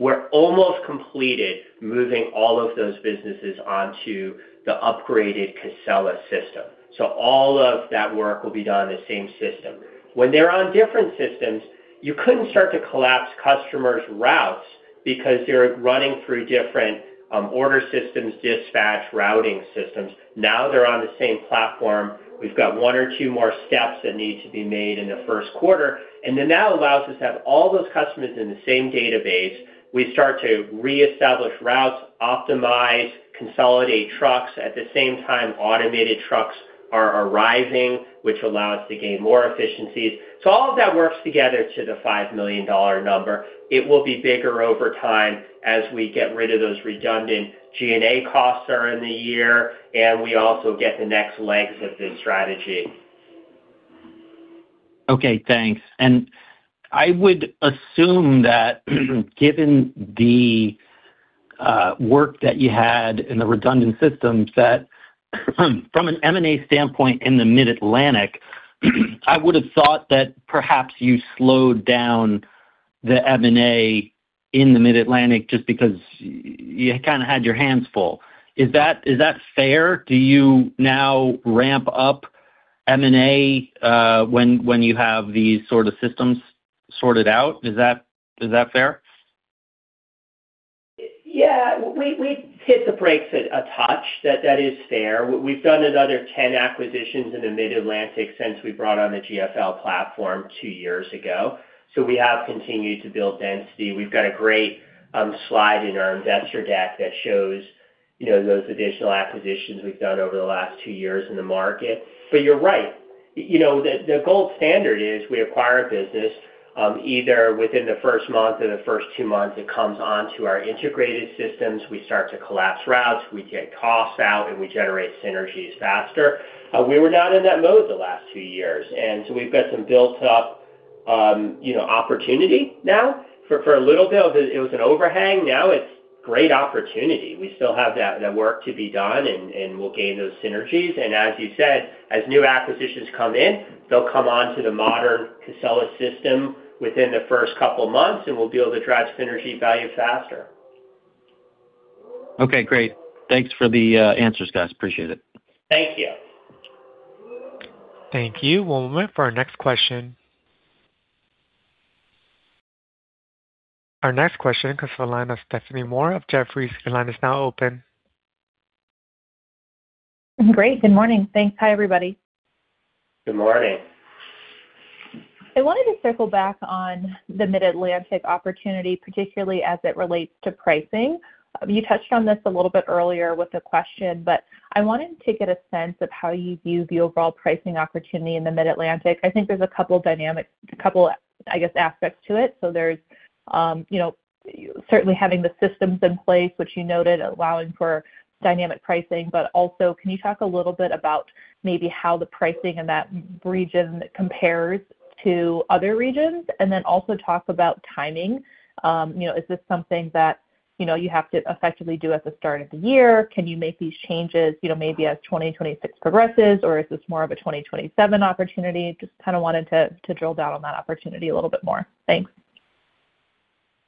We're almost completed moving all of those businesses onto the upgraded Casella system, so all of that work will be done in the same system. When they're on different systems, you couldn't start to collapse customers' routes because they're running through different order systems, dispatch, routing systems. Now, they're on the same platform. We've got one or two more steps that need to be made in the first quarter, and then that allows us to have all those customers in the same database. We start to reestablish routes, optimize, consolidate trucks. At the same time, automated trucks are arriving, which allow us to gain more efficiencies. So all of that works together to the $5 million number. It will be bigger over time as we get rid of those redundant G&A costs in the year, and we also get the next legs of this strategy. Okay, thanks. And I would assume that, given the work that you had in the redundant systems, that from an M&A standpoint in the Mid-Atlantic, I would have thought that perhaps you slowed down the M&A in the Mid-Atlantic just because you kind of had your hands full. Is that fair? Do you now ramp up M&A when you have these sort of systems sorted out? Is that fair? Yeah, we hit the brakes a touch. That is fair. We've done another 10 acquisitions in the Mid-Atlantic since we brought on the GFL platform two years ago. So we have continued to build density. We've got a great slide in our investor deck that shows, you know, those additional acquisitions we've done over the last two years in the market. But you're right. You know, the gold standard is we acquire a business, either within the first month or the first two months, it comes onto our integrated systems. We start to collapse routes, we get costs out, and we generate synergies faster. We were not in that mode the last few years, and so we've got some built-up, you know, opportunity now. For a little bit, it was an overhang. Now it's great opportunity. We still have that work to be done, and we'll gain those synergies. As you said, as new acquisitions come in, they'll come on to the modern Casella system within the first couple of months, and we'll be able to drive synergy value faster. Okay, great. Thanks for the answers, guys. Appreciate it. Thank you. Thank you. One moment for our next question. Our next question comes from the line of Stephanie Moore of Jefferies. Your line is now open. Great. Good morning, thanks. Hi, everybody. Good morning. I wanted to circle back on the Mid-Atlantic opportunity, particularly as it relates to pricing. You touched on this a little bit earlier with the question, but I wanted to get a sense of how you view the overall pricing opportunity in the Mid-Atlantic. I think there's a couple of dynamics, a couple of, I guess, aspects to it. So there's, you know, certainly having the systems in place, which you noted, allowing for dynamic pricing. But also, can you talk a little bit about maybe how the pricing in that region compares to other regions, and then also talk about timing? You know, is this something that you know, you have to effectively do at the start of the year? Can you make these changes, you know, maybe as 2026 progresses, or is this more of a 2027 opportunity? Just kind of wanted to, to drill down on that opportunity a little bit more. Thanks.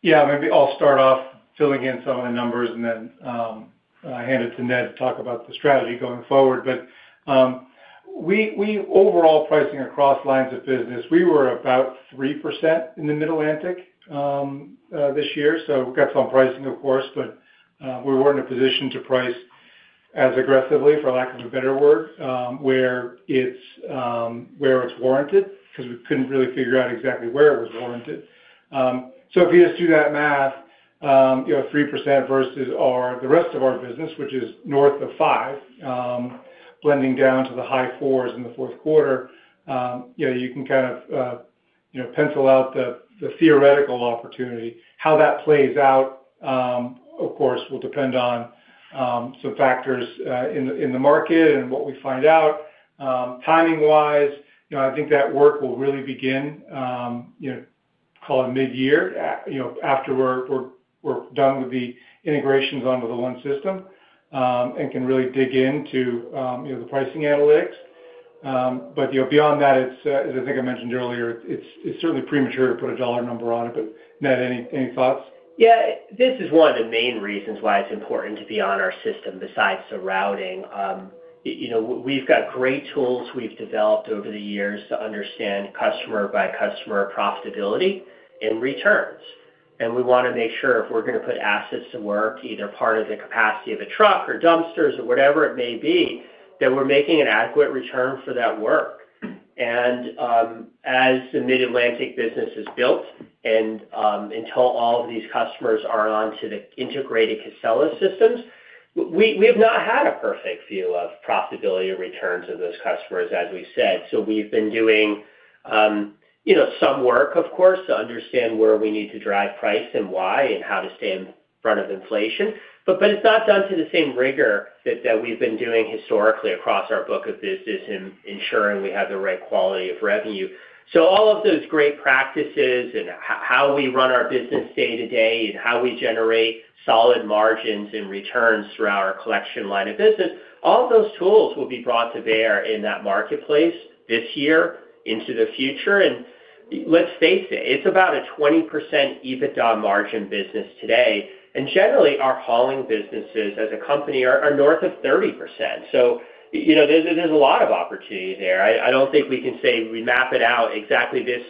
Yeah, maybe I'll start off filling in some of the numbers and then, I'll hand it to Ned to talk about the strategy going forward. But, overall pricing across lines of business, we were about 3% in the Middle Atlantic, this year. So we've got some pricing, of course, but, we weren't in a position to price as aggressively, for lack of a better word, where it's, where it's warranted, 'cause we couldn't really figure out exactly where it was warranted. So if you just do that math, you know, 3% versus our, the rest of our business, which is north of 5%, blending down to the high-4%s in the fourth quarter, you know, you can kind of, you know, pencil out the, the theoretical opportunity. How that plays out, of course, will depend on some factors in the market and what we find out. Timing-wise, you know, I think that work will really begin, you know, call it mid-year, you know, after we're done with the integrations onto the one system, and can really dig into, you know, the pricing analytics. But, you know, beyond that, it's as I think I mentioned earlier, it's certainly premature to put a dollar number on it. But Ned, any thoughts? Yeah. This is one of the main reasons why it's important to be on our system, besides the routing. You know, we've got great tools we've developed over the years to understand customer-by-customer profitability and returns. And we wanna make sure if we're gonna put assets to work, either part of the capacity of a truck or dumpsters or whatever it may be, that we're making an adequate return for that work. And, as the Mid-Atlantic business is built and, until all of these customers are onto the integrated Casella systems, we have not had a perfect view of profitability and returns of those customers, as we said. So we've been doing, you know, some work, of course, to understand where we need to drive price and why, and how to stay in front of inflation. But it's not done to the same rigor that we've been doing historically across our book of business in ensuring we have the right quality of revenue. So all of those great practices and how we run our business day-to-day, and how we generate solid margins and returns through our collection line of business, all those tools will be brought to bear in that marketplace this year into the future. And let's face it, it's about a 20% EBITDA margin business today. And generally, our hauling businesses as a company are north of 30%. So, you know, there's a lot of opportunity there. I don't think we can say we map it out exactly this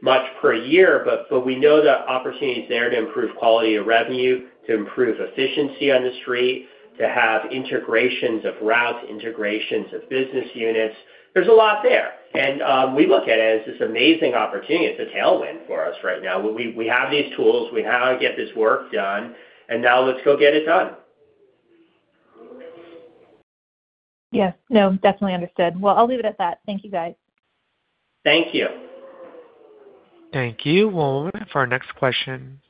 much per year, but we know the opportunity is there to improve quality of revenue, to improve efficiency on the street, to have integrations of routes, integrations of business units. There's a lot there, and we look at it as this amazing opportunity. It's a tailwind for us right now. We have these tools, we know how to get this work done, and now let's go get it done. Yeah. No, definitely understood. Well, I'll leave it at that. Thank you, guys. Thank you. Thank you. Well, for our next question.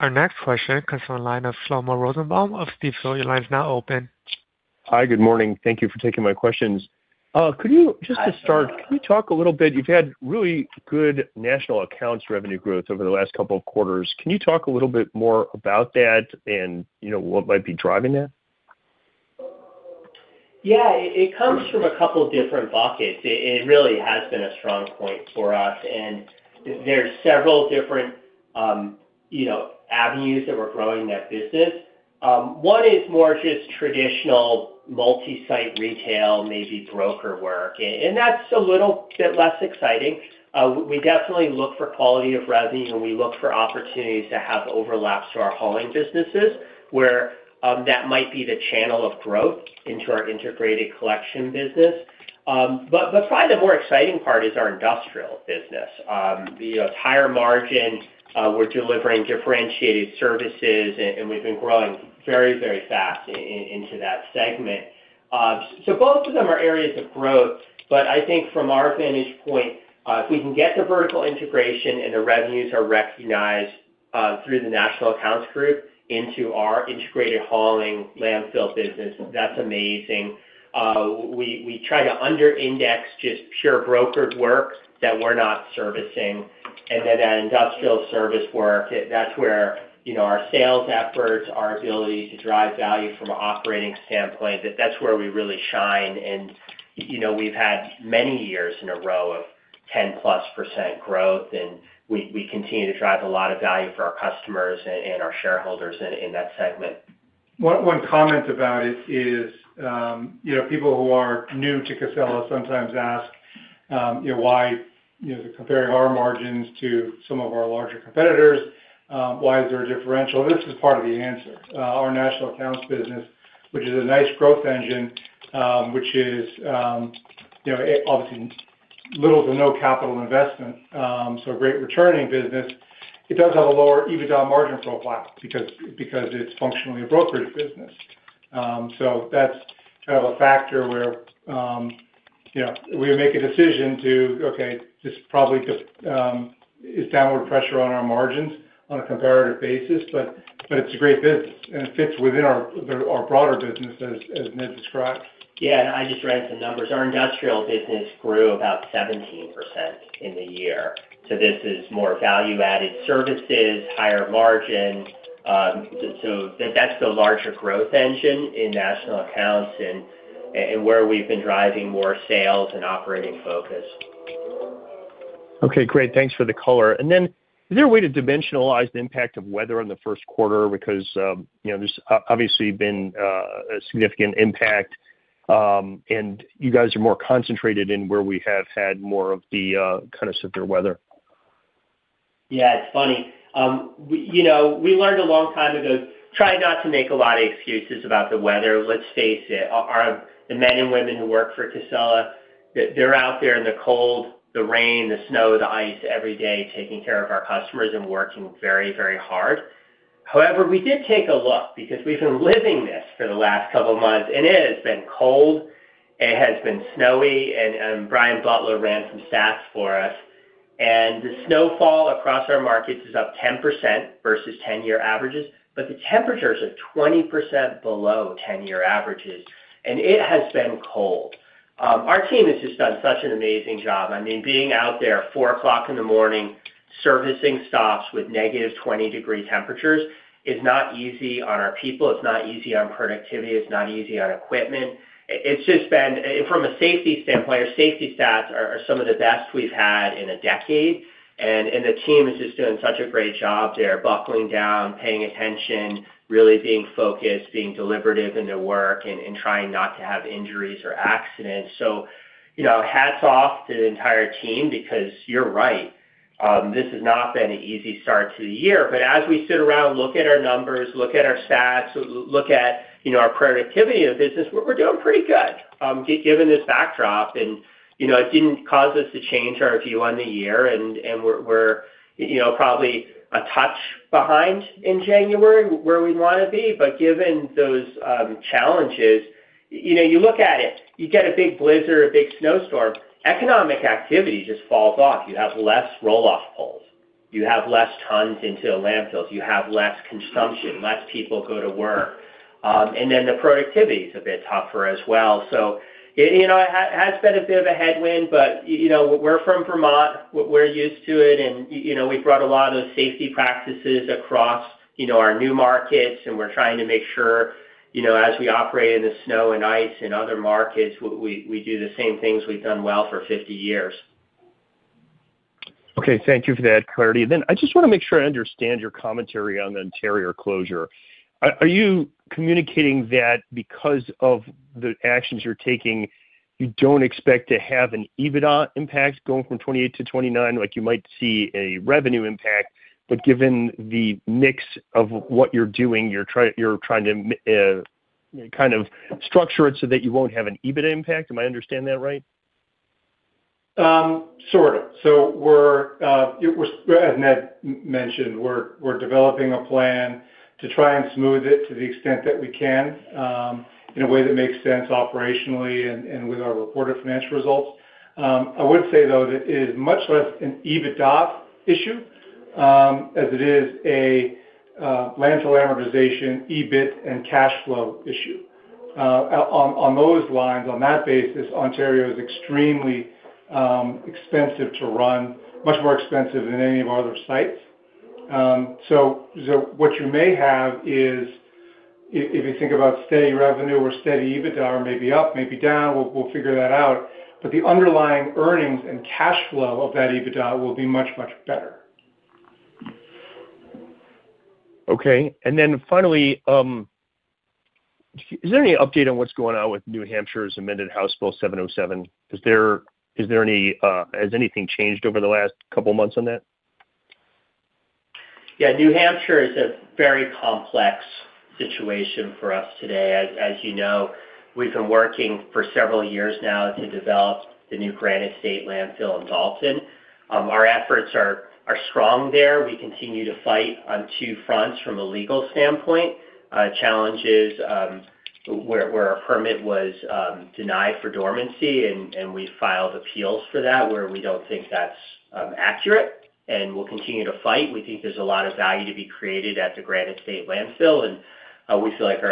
Our next question comes from the line of Shlomo Rosenbaum of Stifel. Your line is now open. Hi, good morning. Thank you for taking my questions. Could you just to start, can you talk a little bit— You've had really good national accounts revenue growth over the last couple of quarters. Can you talk a little bit more about that and, you know, what might be driving that? Yeah, it comes from a couple different buckets. It really has been a strong point for us, and there are several different, you know, avenues that we're growing that business. One is more just traditional multi-site retail, maybe broker work, and that's a little bit less exciting. We definitely look for quality of revenue, and we look for opportunities to have overlaps to our hauling businesses, where that might be the channel of growth into our integrated collection business. But probably the more exciting part is our industrial business. It's higher margin, we're delivering differentiated services, and we've been growing very, very fast into that segment. So both of them are areas of growth, but I think from our vantage point, if we can get the vertical integration and the revenues are recognized through the national accounts group into our integrated hauling landfill business, that's amazing. We try to under index just pure brokered work that we're not servicing, and then that industrial service work, that's where, you know, our sales efforts, our ability to drive value from an operating standpoint, that's where we really shine. And, you know, we've had many years in a row of 10%+ growth, and we continue to drive a lot of value for our customers and our shareholders in that segment. One comment about it is, you know, people who are new to Casella sometimes ask, you know, why, you know, they're comparing our margins to some of our larger competitors. Why is there a differential? This is part of the answer. Our national accounts business, which is a nice growth engine, you know, obviously little to no capital investment, so a great returning business. It does have a lower EBITDA margin profile because it's functionally a brokerage business. So that's kind of a factor where, you know, we make a decision to, okay, this probably just is downward pressure on our margins on a comparative basis, but it's a great biz, and it fits within our broader business, as Ned described. Yeah, I just ran some numbers. Our industrial business grew about 17% in the year. This is more value-added services, higher margin, so that's the larger growth engine in national accounts and where we've been driving more sales and operating focus. Okay, great. Thanks for the color. And then, is there a way to dimensionalize the impact of weather in the first quarter? Because, you know, there's obviously been a significant impact, and you guys are more concentrated in where we have had more of the kind of severe weather. Yeah, it's funny. We, you know, we learned a long time ago, try not to make a lot of excuses about the weather. Let's face it, the men and women who work for Casella, they're out there in the cold, the rain, the snow, the ice, every day, taking care of our customers and working very, very hard. However, we did take a look because we've been living this for the last couple of months, and it has been cold, it has been snowy, and, Brian Butler ran some stats for us, and the snowfall across our markets is up 10% versus 10-year averages, but the temperatures are 20% below 10-year averages, and it has been cold. Our team has just done such an amazing job. I mean, being out there at 4:00 A.M., servicing stops with negative 20-degree temperatures is not easy on our people. It's not easy on productivity. It's not easy on equipment. It's just been-- From a safety standpoint, our safety stats are some of the best we've had in a decade, and the team is just doing such a great job. They're buckling down, paying attention, really being focused, being deliberative in their work and trying not to have injuries or accidents. So, you know, hats off to the entire team because you're right, this has not been an easy start to the year. But as we sit around, look at our numbers, look at our stats, look at, you know, our productivity in the business, we're doing pretty good, given this backdrop and, you know, it didn't cause us to change our view on the year and we're, you know, probably a touch behind in January where we want to be. But given those challenges, you know, you look at it, you get a big blizzard or a big snowstorm, economic activity just falls off. You have less roll-off pulls, you have less tons into the landfills, you have less consumption, less people go to work, and then the productivity is a bit tougher as well. So it, you know, it has been a bit of a headwind, but, you know, we're from Vermont. We're used to it, and, you know, we've brought a lot of those safety practices across, you know, our new markets, and we're trying to make sure, you know, as we operate in the snow and ice in other markets, we do the same things we've done well for 50 years. Okay, thank you for that clarity. Then I just want to make sure I understand your commentary on the Ontario closure. Are you communicating that because of the actions you're taking, you don't expect to have an EBITDA impact going from 2028 to 2029? Like, you might see a revenue impact, but given the mix of what you're doing, you're trying to kind of structure it so that you won't have an EBITDA impact. Am I understanding that right? Sort of. So we're-- As Ned mentioned, we're, we're developing a plan to try and smooth it to the extent that we can, in a way that makes sense operationally and, and with our reported financial results. I would say, though, that it is much less an EBITDA issue, as it is a, landfill amortization, EBIT, and cash flow issue. On those lines, on that basis, Ontario is extremely, expensive to run, much more expensive than any of our other sites. So what you may have is if you think about steady revenue or steady EBITDA, or maybe up, maybe down, we'll figure that out, but the underlying earnings and cash flow of that EBITDA will be much, much better. Okay. And then finally, is there any update on what's going on with New Hampshire's amended House Bill 707? Is there, is there any, has anything changed over the last couple of months on that? Yeah, New Hampshire is a very complex situation for us today. As you know, we've been working for several years now to develop the new Granite State Landfill in Dalton. Our efforts are strong there. We continue to fight on two fronts from a legal standpoint, challenges, where our permit was denied for dormancy, and we filed appeals for that, where we don't think that's accurate, and we'll continue to fight. We think there's a lot of value to be created at the Granite State Landfill, and we feel like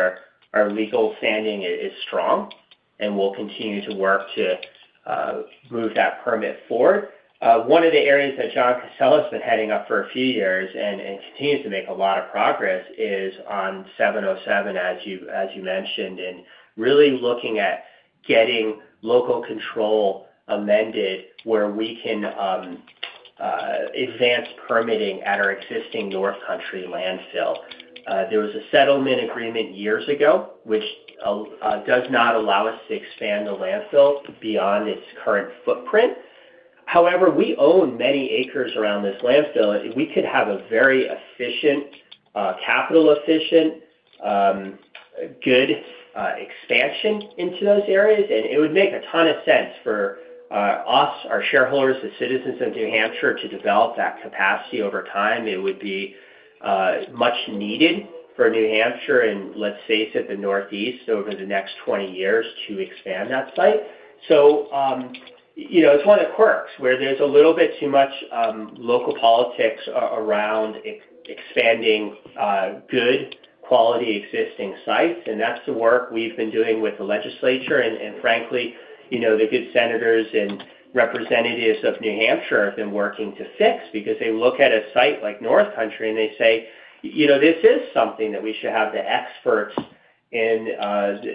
our legal standing is strong, and we'll continue to work to move that permit forward. One of the areas that John Casella has been heading up for a few years and continues to make a lot of progress is on 707, as you mentioned, and really looking at getting local control amended, where we can advance permitting at our existing North Country landfill. There was a settlement agreement years ago, which does not allow us to expand the landfill beyond its current footprint. However, we own many acres around this landfill. We could have a very efficient, capital-efficient, good expansion into those areas, and it would make a ton of sense for us, our shareholders, the citizens of New Hampshire, to develop that capacity over time. It would be much needed for New Hampshire and let's face it, the Northeast, over the next 20 years to expand that site. So, you know, it's one of the quirks where there's a little bit too much local politics around expanding good, quality, existing sites, and that's the work we've been doing with the legislature. And frankly, you know, the good senators and representatives of New Hampshire have been working to fix because they look at a site like North Country, and they say, "You know, this is something that we should have the experts in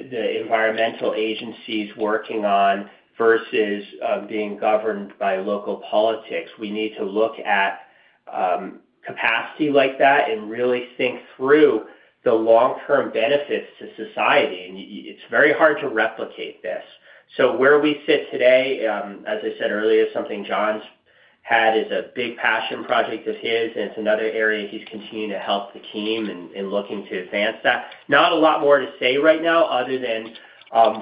the environmental agencies working on versus being governed by local politics." We need to look at capacity like that and really think through the long-term benefits to society. And it's very hard to replicate this. So where we sit today, as I said earlier, something John's had, is a big passion project of his, and it's another area he's continuing to help the team and looking to advance that. Not a lot more to say right now, other than,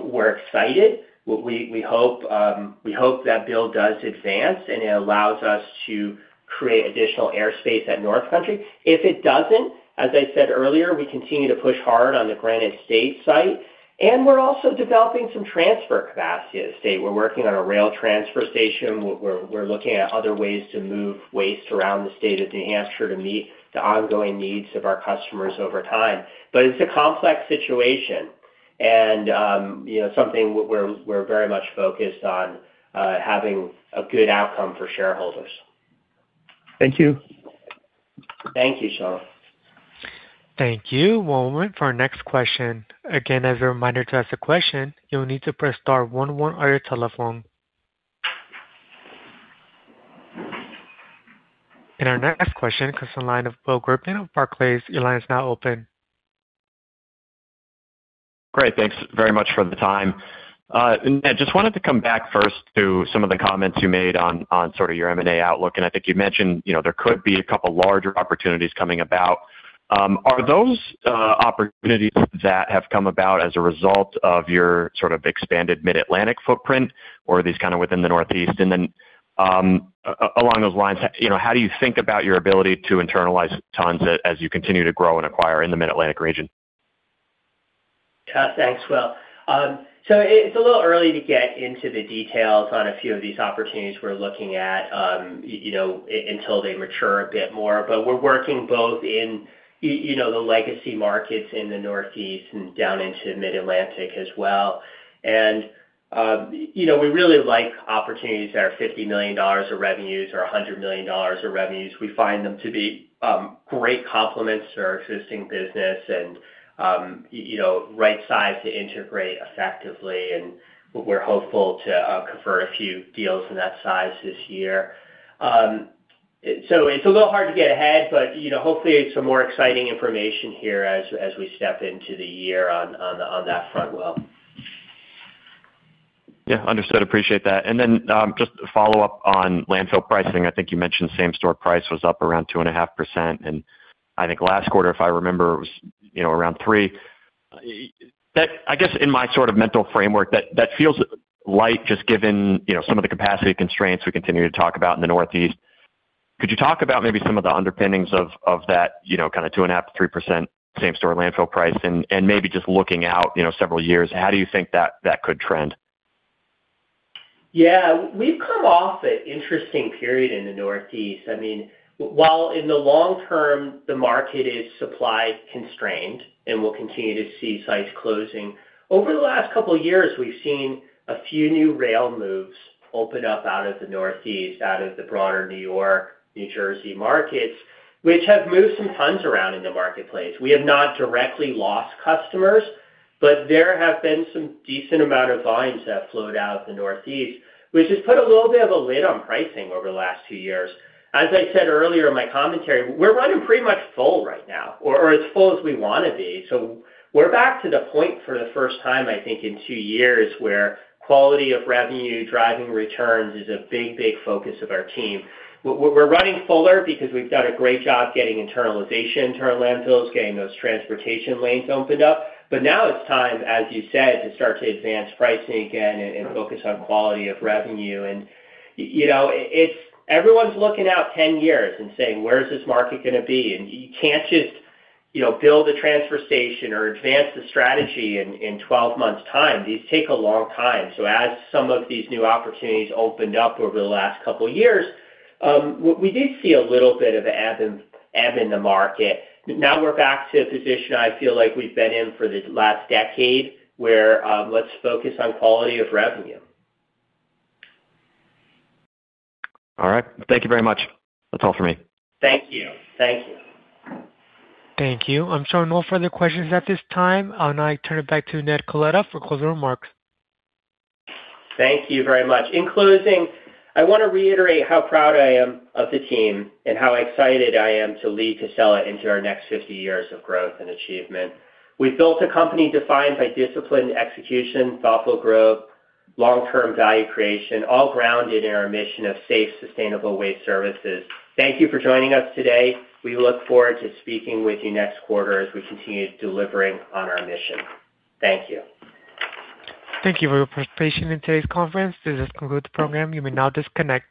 we're excited. We hope that bill does advance, and it allows us to create additional airspace at North Country. If it doesn't, as I said earlier, we continue to push hard on the Granite State site, and we're also developing some transfer capacity at the state. We're working on a rail transfer station. We're looking at other ways to move waste around the state of New Hampshire to meet the ongoing needs of our customers over time. But it's a complex situation and, you know, something we're very much focused on, having a good outcome for shareholders. Thank you. Thank you, Shlomo. Thank you. One moment for our next question. Again, as a reminder, to ask a question, you'll need to press star one one on your telephone. And our next question comes from the line of Will Griffin of Barclays. Your line is now open. Great, thanks very much for the time. I just wanted to come back first to some of the comments you made on sort of your M&A outlook. And I think you mentioned, you know, there could be a couple larger opportunities coming about. Are those opportunities that have come about as a result of your sort of expanded Mid-Atlantic footprint, or are these kind of within the Northeast? And then, along those lines, you know, how do you think about your ability to internalize tons as you continue to grow and acquire in the Mid-Atlantic region? Thanks, Will. So it's a little early to get into the details on a few of these opportunities we're looking at, you know, until they mature a bit more. But we're working both in, you know, the legacy markets in the Northeast and down into Mid-Atlantic as well. And, you know, we really like opportunities that are $50 million of revenues or $100 million of revenues. We find them to be, great complements to our existing business and, you know, right size to integrate effectively, and we're hopeful to close a few deals in that size this year. So it's a little hard to get ahead, but, you know, hopefully, some more exciting information here as we step into the year on that front, Will. Yeah, understood. Appreciate that. And then, just to follow up on landfill pricing, I think you mentioned same-store price was up around 2.5%, and I think last quarter, if I remember, it was, you know, around 3%. I guess in my sort of mental framework, that, that feels light, just given, you know, some of the capacity constraints we continue to talk about in the Northeast. Could you talk about maybe some of the underpinnings of, of that, you know, kind of 2.5%-3% same-store landfill price? And, and maybe just looking out, you know, several years, how do you think that, that could trend? Yeah, we've come off an interesting period in the Northeast. I mean, while in the long term, the market is supply constrained, and we'll continue to see sites closing. Over the last couple of years, we've seen a few new rail moves open up out of the Northeast, out of the broader New York, New Jersey markets, which have moved some tons around in the marketplace. We have not directly lost customers, but there have been some decent amount of volumes that flowed out of the Northeast, which has put a little bit of a lid on pricing over the last two years. As I said earlier in my commentary, we're running pretty much full right now, or as full as we want to be. So we're back to the point for the first time, I think, in 2 years, where quality of revenue, driving returns is a big, big focus of our team. We're running fuller because we've done a great job getting internalization to our landfills, getting those transportation lanes opened up. But now it's time, as you said, to start to advance pricing again and focus on quality of revenue. And you know, it's everyone's looking out 10 years and saying: Where is this market gonna be? And you can't just, you know, build a transfer station or advance the strategy in 12 months time. These take a long time. So as some of these new opportunities opened up over the last couple of years, we did see a little bit of an ebb in the market. Now we're back to a position I feel like we've been in for the last decade, where, let's focus on quality of revenue. All right. Thank you very much. That's all for me. Thank you. Thank you. Thank you. I'm showing no further questions at this time. I'll now turn it back to Ned Coletta for closing remarks. Thank you very much. In closing, I want to reiterate how proud I am of the team and how excited I am to lead Casella into our next 50 years of growth and achievement. We've built a company defined by disciplined execution, thoughtful growth, long-term value creation, all grounded in our mission of safe, sustainable waste services. Thank you for joining us today. We look forward to speaking with you next quarter as we continue delivering on our mission. Thank you. Thank you for your participation in today's conference. This does conclude the program. You may now disconnect.